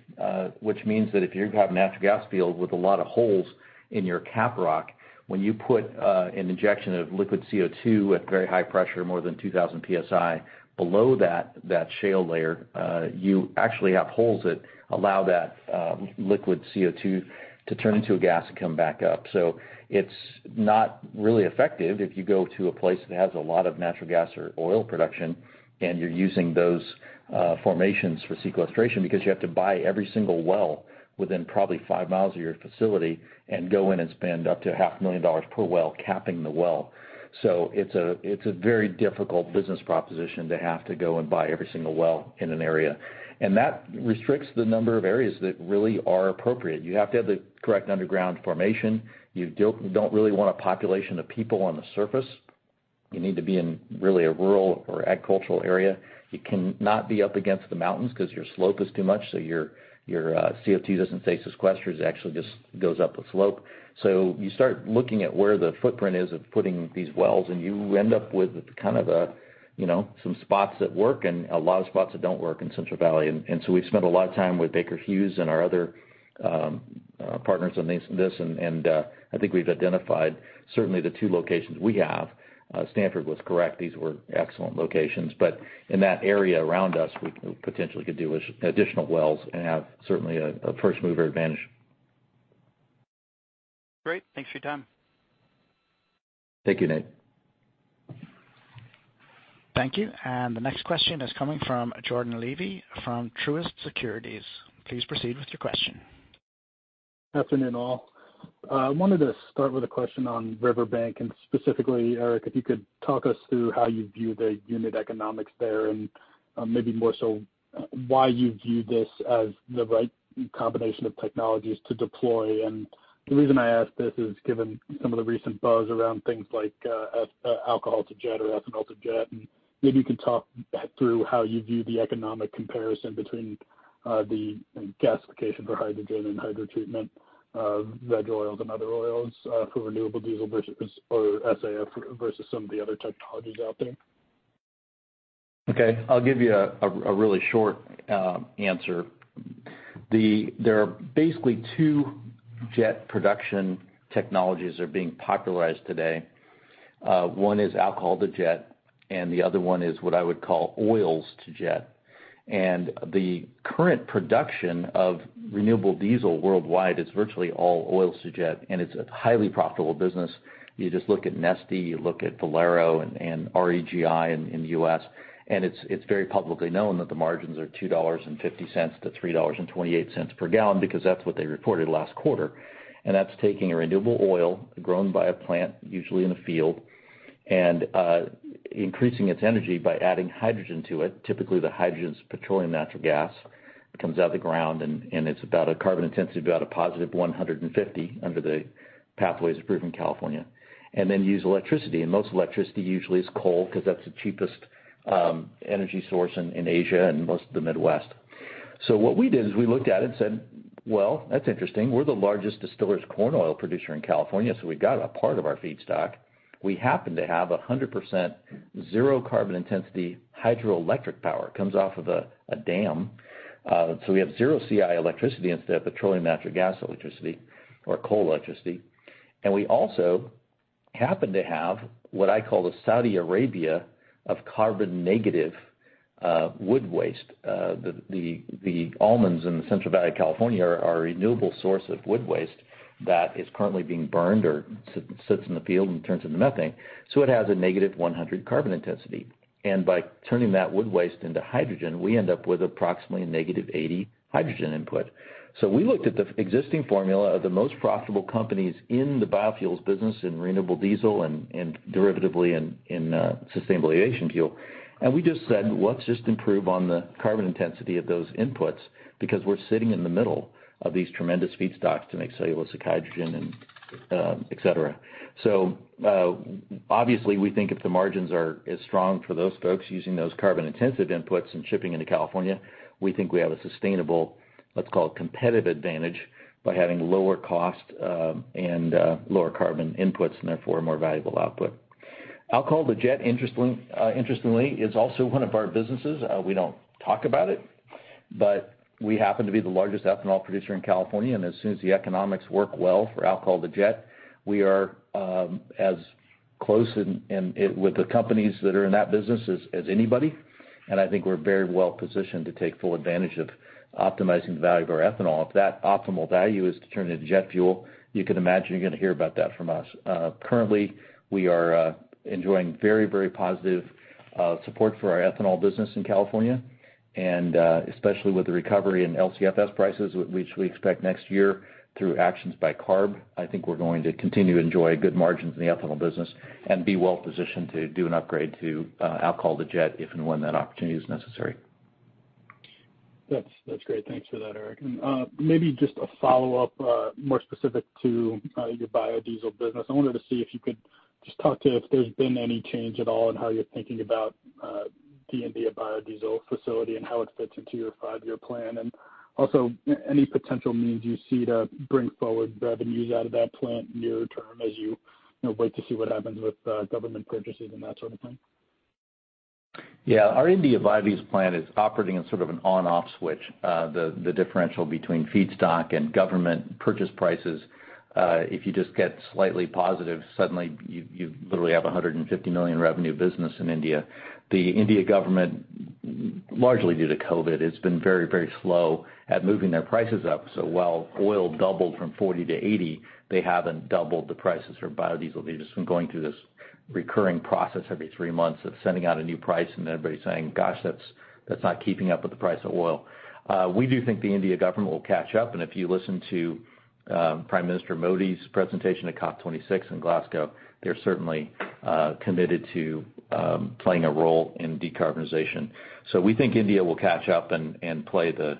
which means that if you have natural gas field with a lot of holes in your cap rock, when you put an injection of liquid CO2 at very high pressure, more than 2,000 PSI below that shale layer, you actually have holes that allow that liquid CO2 to turn into a gas and come back up. It's not really effective if you go to a place that has a lot of natural gas or oil production and you're using those formations for sequestration because you have to buy every single well within probably five miles of your facility and go in and spend up to half a million dollars per well capping the well. It's a very difficult business proposition to have to go and buy every single well in an area. That restricts the number of areas that really are appropriate. You have to have the correct underground formation. You don't really want a population of people on the surface. You need to be in really a rural or agricultural area. You cannot be up against the mountains 'cause your slope is too much, so your CO2 doesn't stay sequestered. It actually just goes up a slope. You start looking at where the footprint is of putting these wells, and you end up with kind of a you know some spots that work and a lot of spots that don't work in Central Valley. We've spent a lot of time with Baker Hughes and our other partners on this, and I think we've identified certainly the two locations we have. Stanford was correct. These were excellent locations. In that area around us, we potentially could do additional wells and have certainly a first-mover advantage. Great. Thanks for your time. Thank you, Nate. Thank you. The next question is coming from Jordan Levy from Truist Securities. Please proceed with your question. Afternoon, all. I wanted to start with a question on Riverbank and specifically, Eric, if you could talk us through how you view the unit economics there, and maybe more so why you view this as the right combination of technologies to deploy. The reason I ask this is given some of the recent buzz around things like alcohol to jet or ethanol to jet, and maybe you can talk through how you view the economic comparison between the gasification for hydrogen and hydrotreatment of veg oils and other oils for renewable diesel versus or SAF versus some of the other technologies out there. Okay. I'll give you a really short answer. There are basically two jet production technologies that are being popularized today. One is alcohol to jet, and the other one is what I would call oils to jet. The current production of renewable diesel worldwide is virtually all oils to jet, and it's a highly profitable business. You just look at Neste, you look at Valero and REGI in the U.S., and it's very publicly known that the margins are $2.50-$3.28 per gallon because that's what they reported last quarter. That's taking a renewable oil grown by a plant, usually in a field, and increasing its energy by adding hydrogen to it. Typically, the hydrogen from petroleum natural gas comes out of the ground and it's about a carbon intensity of about a +150 under the pathways approved in California, and then use electricity. Most electricity usually is coal because that's the cheapest energy source in Asia and most of the Midwest. What we did is we looked at it and said, "Well, that's interesting. We're the largest distiller's corn oil producer in California, so we got a part of our feedstock. We happen to have 100% zero carbon intensity hydroelectric power that comes off of a dam. We have zero CI electricity instead of petroleum natural gas electricity or coal electricity. We also happen to have what I call the Saudi Arabia of carbon negative wood waste. The almonds in the Central Valley of California are a renewable source of wood waste that is currently being burned or sits in the field and turns into methane. It has a negative 100 carbon intensity. By turning that wood waste into hydrogen, we end up with approximately a negative 80 hydrogen input. We looked at the existing formula of the most profitable companies in the biofuels business in renewable diesel and derivatively in sustainable aviation fuel. We just said, "Let's just improve on the carbon intensity of those inputs because we're sitting in the middle of these tremendous feedstocks to make cellulosic hydrogen and, et cetera." Obviously, we think if the margins are as strong for those folks using those carbon intensive inputs and shipping into California, we think we have a sustainable, let's call it competitive advantage by having lower cost, and lower carbon inputs and therefore more valuable output. Alcohol-to-jet, interestingly, is also one of our businesses. We don't talk about it, but we happen to be the largest ethanol producer in California. As soon as the economics work well for alcohol-to-jet, we are as close and with the companies that are in that business as anybody. I think we're very well-positioned to take full advantage of optimizing the value of our ethanol. If that optimal value is to turn into jet fuel, you can imagine you're gonna hear about that from us. Currently, we are enjoying very, very positive support for our ethanol business in California. Especially with the recovery in LCFS prices, which we expect next year through actions by CARB, I think we're going to continue to enjoy good margins in the ethanol business and be well-positioned to do an upgrade to alcohol-to-jet if and when that opportunity is necessary. That's great. Thanks for that, Eric. Maybe just a follow-up more specific to your biodiesel business. I wanted to see if you could just talk about if there's been any change at all in how you're thinking about the India biodiesel facility and how it fits into your five-year plan. Also any potential means you see to bring forward revenues out of that plant near-term as you know wait to see what happens with government purchases and that sort of thing. Yeah. Our India biodiesel plant is operating in sort of an on-off switch. The differential between feedstock and government purchase prices, if you just get slightly positive, suddenly you literally have a $150 million revenue business in India. The Indian government, largely due to COVID, has been very slow at moving their prices up. While oil doubled from $40 to $80, they haven't doubled the prices for biodiesel. They've just been going through this recurring process every three months of sending out a new price and everybody saying, "Gosh, that's not keeping up with the price of oil." We do think the Indian government will catch up, and if you listen to Prime Minister Modi's presentation at COP26 in Glasgow, they're certainly committed to playing a role in decarbonization. We think India will catch up and play the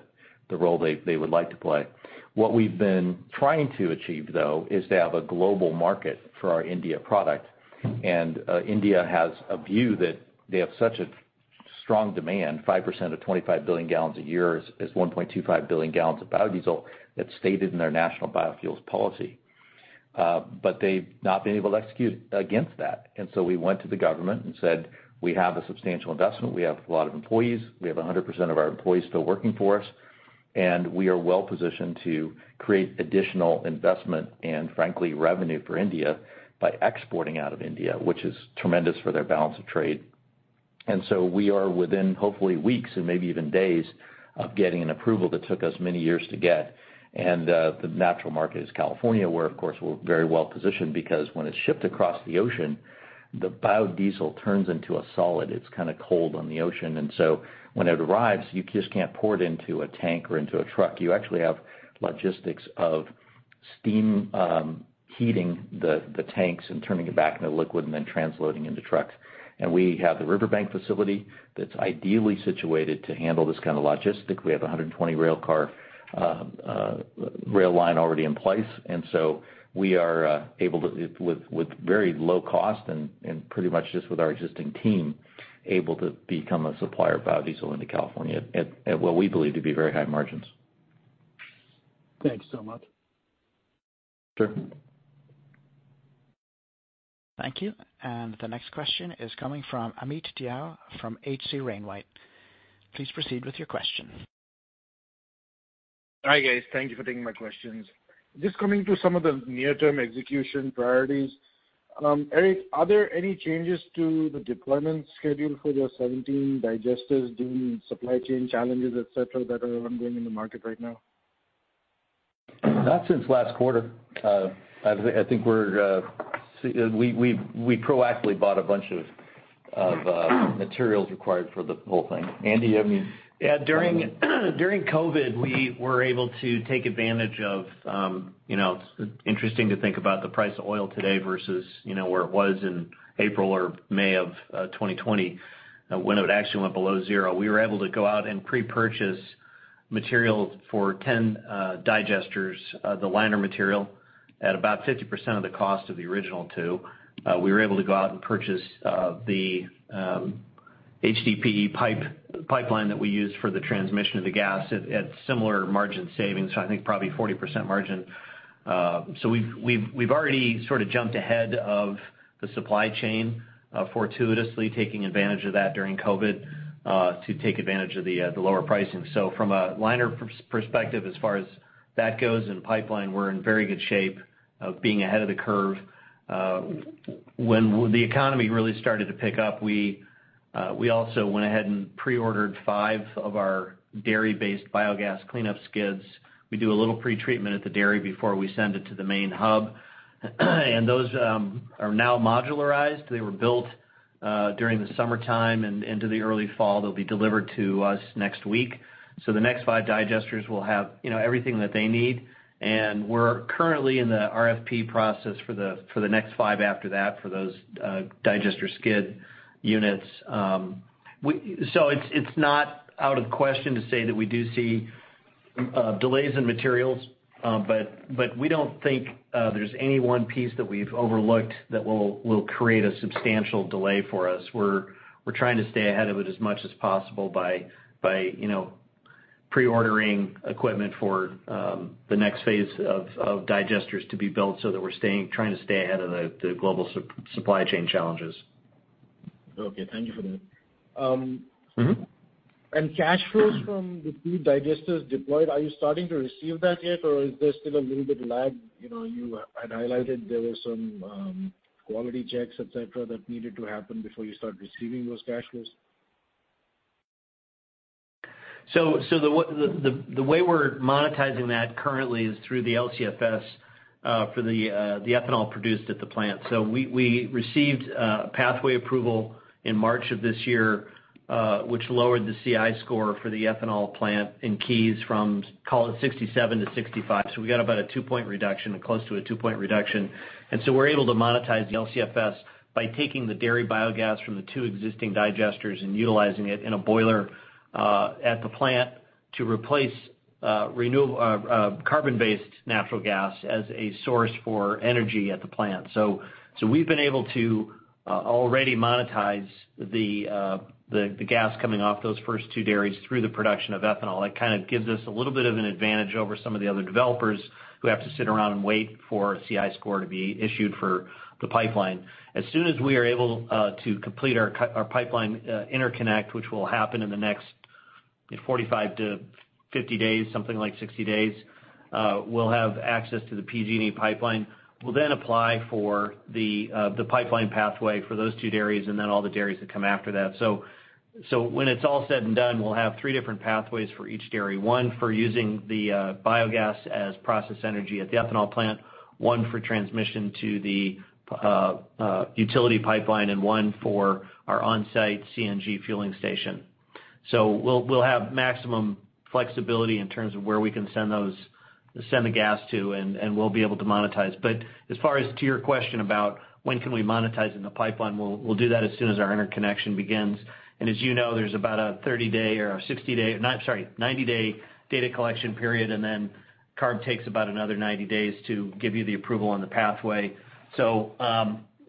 role they would like to play. What we've been trying to achieve, though, is to have a global market for our India product. India has a view that they have such a strong demand, 5% of 25 billion gallons a year is 1.25 billion gallons of biodiesel. That's stated in their National Policy on Biofuels. They've not been able to execute against that. We went to the government and said, "We have a substantial investment. We have a lot of employees. We have 100% of our employees still working for us, and we are well-positioned to create additional investment and, frankly, revenue for India by exporting out of India, which is tremendous for their balance of trade." We are within, hopefully, weeks and maybe even days of getting an approval that took us many years to get. The natural market is California, where, of course, we're very well-positioned because when it's shipped across the ocean, the biodiesel turns into a solid. It's kind of cold on the ocean. When it arrives, you just can't pour it into a tank or into a truck. You actually have logistics of steam heating the tanks and turning it back into liquid and then transloading into trucks. We have the Riverbank facility that's ideally situated to handle this kind of logistics. We have 120 rail car rail line already in place. We are able to, with very low cost and pretty much just with our existing team, able to become a supplier of biodiesel into California at what we believe to be very high margins. Thanks so much. Sure. Thank you. The next question is coming from Amit Dayal from H.C. Wainwright. Please proceed with your question. Hi, guys. Thank you for taking my questions. Just coming to some of the near-term execution priorities, Eric, are there any changes to the deployment schedule for your 17 digesters due to supply chain challenges, et cetera, that are ongoing in the market right now? Not since last quarter. I think we proactively bought a bunch of materials required for the whole thing. Andy, you have any- Yeah, during COVID, we were able to take advantage of, you know, it's interesting to think about the price of oil today versus, you know, where it was in April or May of 2020, when it actually went below zero. We were able to go out and pre-purchase material for 10 digesters, the liner material at about 50% of the cost of the original two. We were able to go out and purchase the HDPE pipe, pipeline that we use for the transmission of the gas at similar margin savings. So I think probably 40% margin. So we've already sort of jumped ahead of the supply chain, fortuitously taking advantage of that during COVID, to take advantage of the lower pricing. From a longer perspective as far as that goes and pipeline, we're in very good shape of being ahead of the curve. When the economy really started to pick up, we also went ahead and pre-ordered five of our dairy-based biogas cleanup skids. We do a little pre-treatment at the dairy before we send it to the main hub. Those are now modularized. They were built during the summertime and into the early fall. They'll be delivered to us next week. The next five digesters will have, you know, everything that they need. We're currently in the RFP process for the next five after that for those digester skid units. It's not out of question to say that we do see delays in materials, but we don't think there's any one piece that we've overlooked that will create a substantial delay for us. We're trying to stay ahead of it as much as possible by you know- Pre-ordering equipment for the next phase of digesters to be built so that we're trying to stay ahead of the global supply chain challenges. Okay, thank you for that. Mm-hmm. Cash flows from the two digesters deployed, are you starting to receive that yet or is there still a little bit lag? You know, you had highlighted there were some, quality checks, et cetera, that needed to happen before you start receiving those cash flows. The way we're monetizing that currently is through the LCFS for the ethanol produced at the plant. We received a pathway approval in March of this year, which lowered the CI score for the ethanol plant in Keyes from, call it 67 to 65. We got about a two-point reduction or close to a two-point reduction. We're able to monetize the LCFS by taking the dairy biogas from the two existing digesters and utilizing it in a boiler at the plant to replace carbon-based natural gas as a source for energy at the plant. We've been able to already monetize the gas coming off those first two dairies through the production of ethanol. That kind of gives us a little bit of an advantage over some of the other developers who have to sit around and wait for CI score to be issued for the pipeline. As soon as we are able to complete our pipeline interconnect, which will happen in the next 45-50 days, something like 60 days, we'll have access to the PG&E pipeline. We'll then apply for the pipeline pathway for those two dairies and then all the dairies that come after that. When it's all said and done, we'll have three different pathways for each dairy. One for using the biogas as process energy at the ethanol plant, one for transmission to the utility pipeline, and one for our on-site CNG fueling station. We'll have maximum flexibility in terms of where we can send the gas to, and we'll be able to monetize. As far as to your question about when can we monetize in the pipeline, we'll do that as soon as our interconnection begins. As you know, there's about a 90-day data collection period, and then CARB takes about another 90 days to give you the approval on the pathway.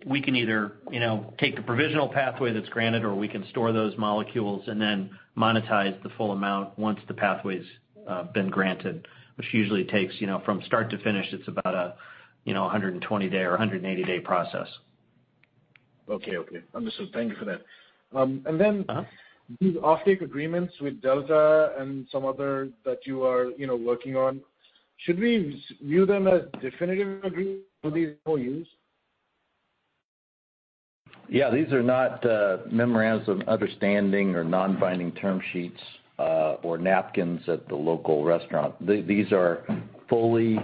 We can either, you know, take the provisional pathway that's granted, or we can store those molecules and then monetize the full amount once the pathway's been granted, which usually takes, you know, from start to finish, it's about a 120-day or a 180-day process. Okay. Understood. Thank you for that. Then. Uh-huh. These offtake agreements with Delta and some other that you are, you know, working on, should we view them as definitive agreements for these MOUs? Yeah. These are not memorandums of understanding or non-binding term sheets or napkins at the local restaurant. These are fully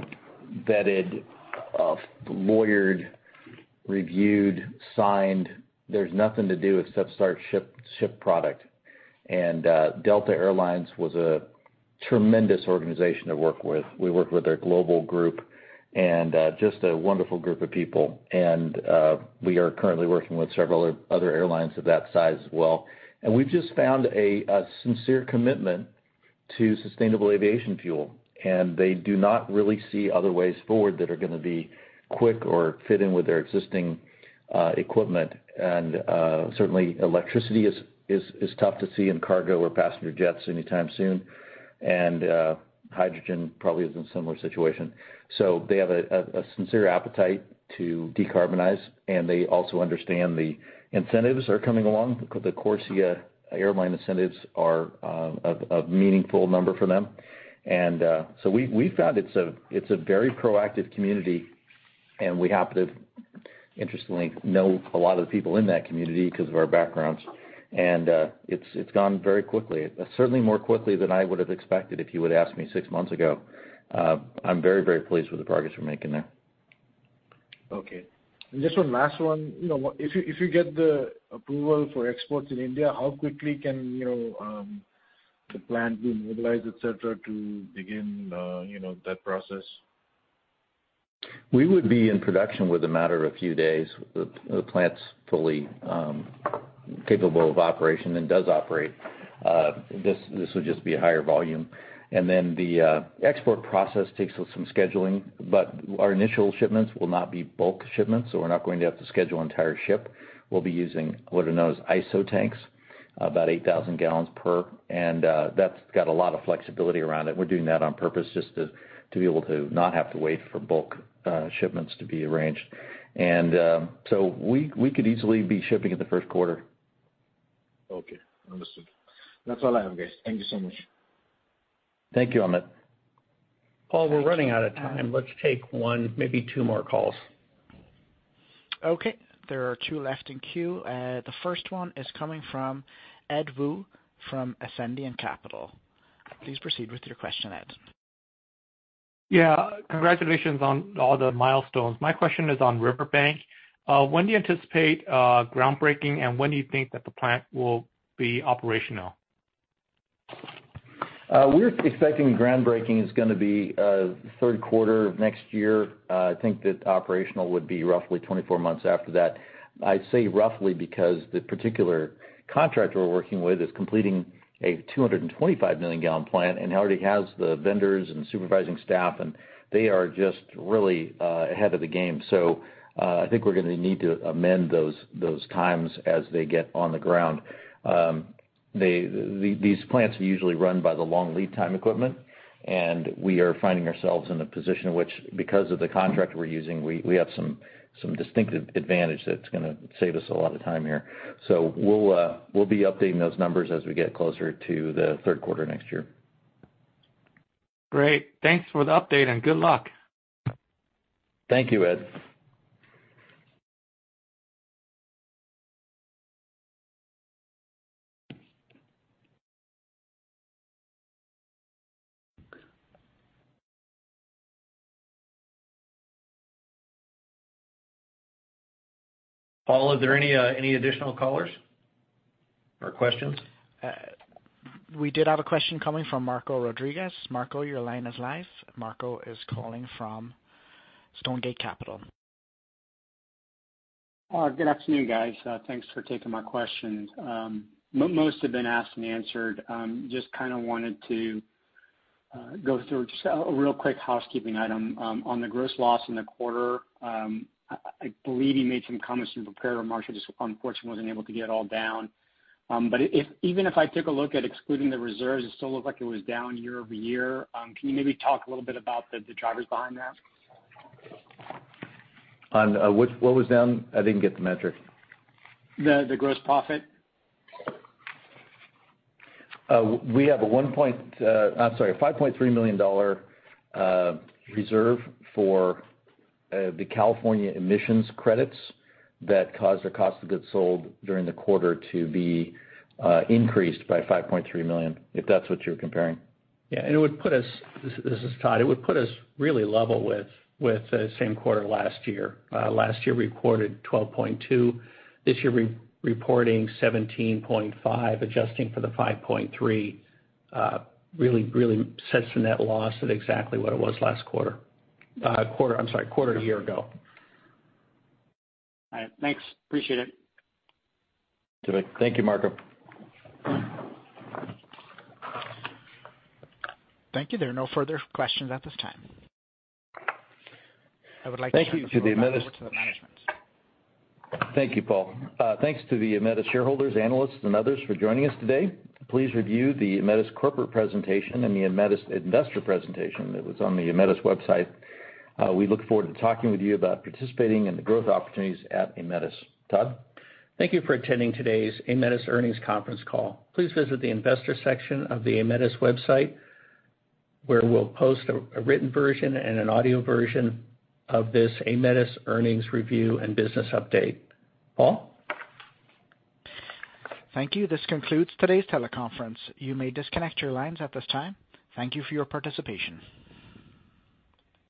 vetted, lawyered, reviewed, signed. There's nothing to do except start shipping product. Delta Air Lines was a tremendous organization to work with. We worked with their global group and just a wonderful group of people. We are currently working with several other airlines of that size as well. We've just found a sincere commitment to sustainable aviation fuel, and they do not really see other ways forward that are gonna be quick or fit in with their existing equipment. Certainly electricity is tough to see in cargo or passenger jets anytime soon. Hydrogen probably is in a similar situation. They have a sincere appetite to decarbonize, and they also understand the incentives are coming along. The CORSIA airline incentives are a meaningful number for them. We found it's a very proactive community and we happen to, interestingly, know a lot of the people in that community because of our backgrounds. It's gone very quickly. Certainly more quickly than I would have expected if you would ask me six months ago. I'm very pleased with the progress we're making there. Okay. Just one last one. You know, if you get the approval for exports in India, how quickly can, you know, the plant be mobilized, et cetera, to begin, you know, that process? We would be in production within a matter of a few days. The plant's fully capable of operation and does operate. This would just be a higher volume. Then the export process takes some scheduling, but our initial shipments will not be bulk shipments, so we're not going to have to schedule an entire ship. We'll be using what are known as ISO tanks, about 8,000 gallons per. That's got a lot of flexibility around it. We're doing that on purpose just to be able to not have to wait for bulk shipments to be arranged. We could easily be shipping in the first quarter. Okay. Understood. That's all I have, guys. Thank you so much. Thank you, Amit. Paul, we're running out of time. Let's take one, maybe two more calls. Okay. There are two left in queue. The first one is coming from Ed Woo from Ascendiant Capital. Please proceed with your question, Ed. Yeah. Congratulations on all the milestones. My question is on Riverbank. When do you anticipate groundbreaking, and when do you think that the plant will be operational? We're expecting groundbreaking is gonna be third quarter of next year. I think that operational would be roughly 24 months after that. I say roughly because the particular contractor we're working with is completing a 225 million gallon plant and already has the vendors and supervising staff, and they are just really ahead of the game. I think we're gonna need to amend those times as they get on the ground. These plants are usually run by the long lead time equipment, and we are finding ourselves in a position in which, because of the contract we're using, we have some distinctive advantage that's gonna save us a lot of time here. So we'll be updating those numbers as we get closer to the third quarter next year. Great. Thanks for the update, and good luck. Thank you, Ed. Paul, are there any additional callers or questions? We did have a question coming from Marco Rodriguez. Marco, your line is live. Marco is calling from Stonegate Capital. Good afternoon, guys. Thanks for taking my questions. Most have been asked and answered. Just kinda wanted to go through just a real quick housekeeping item on the gross loss in the quarter. I believe you made some comments in prepared remarks. I just unfortunately wasn't able to get it all down. But even if I took a look at excluding the reserves, it still looked like it was down year-over-year. Can you maybe talk a little bit about the drivers behind that? What was down? I didn't get the metric. The gross profit. We have a $5.3 million reserve for the California emissions credits that caused our cost of goods sold during the quarter to be increased by $5.3 million, if that's what you're comparing. This is Todd. It would put us really level with the same quarter last year. Last year, we recorded $12.2. This year, reporting $17.5, adjusting for the $5.3, really sets the net loss at exactly what it was a quarter a year ago. All right. Thanks. Appreciate it. Thank you, Marco. Thank you. There are no further questions at this time. I would like to turn the floor back over to the management. Thank you, Paul. Thanks to the Aemetis shareholders, analysts, and others for joining us today. Please review the Aemetis corporate presentation and the Aemetis investor presentation that was on the Aemetis website. We look forward to talking with you about participating in the growth opportunities at Aemetis. Todd? Thank you for attending today's Aemetis earnings conference call. Please visit the investor section of the Aemetis website, where we'll post a written version and an audio version of this Aemetis earnings review and business update. Paul? Thank you. This concludes today's teleconference. You may disconnect your lines at this time. Thank you for your participation.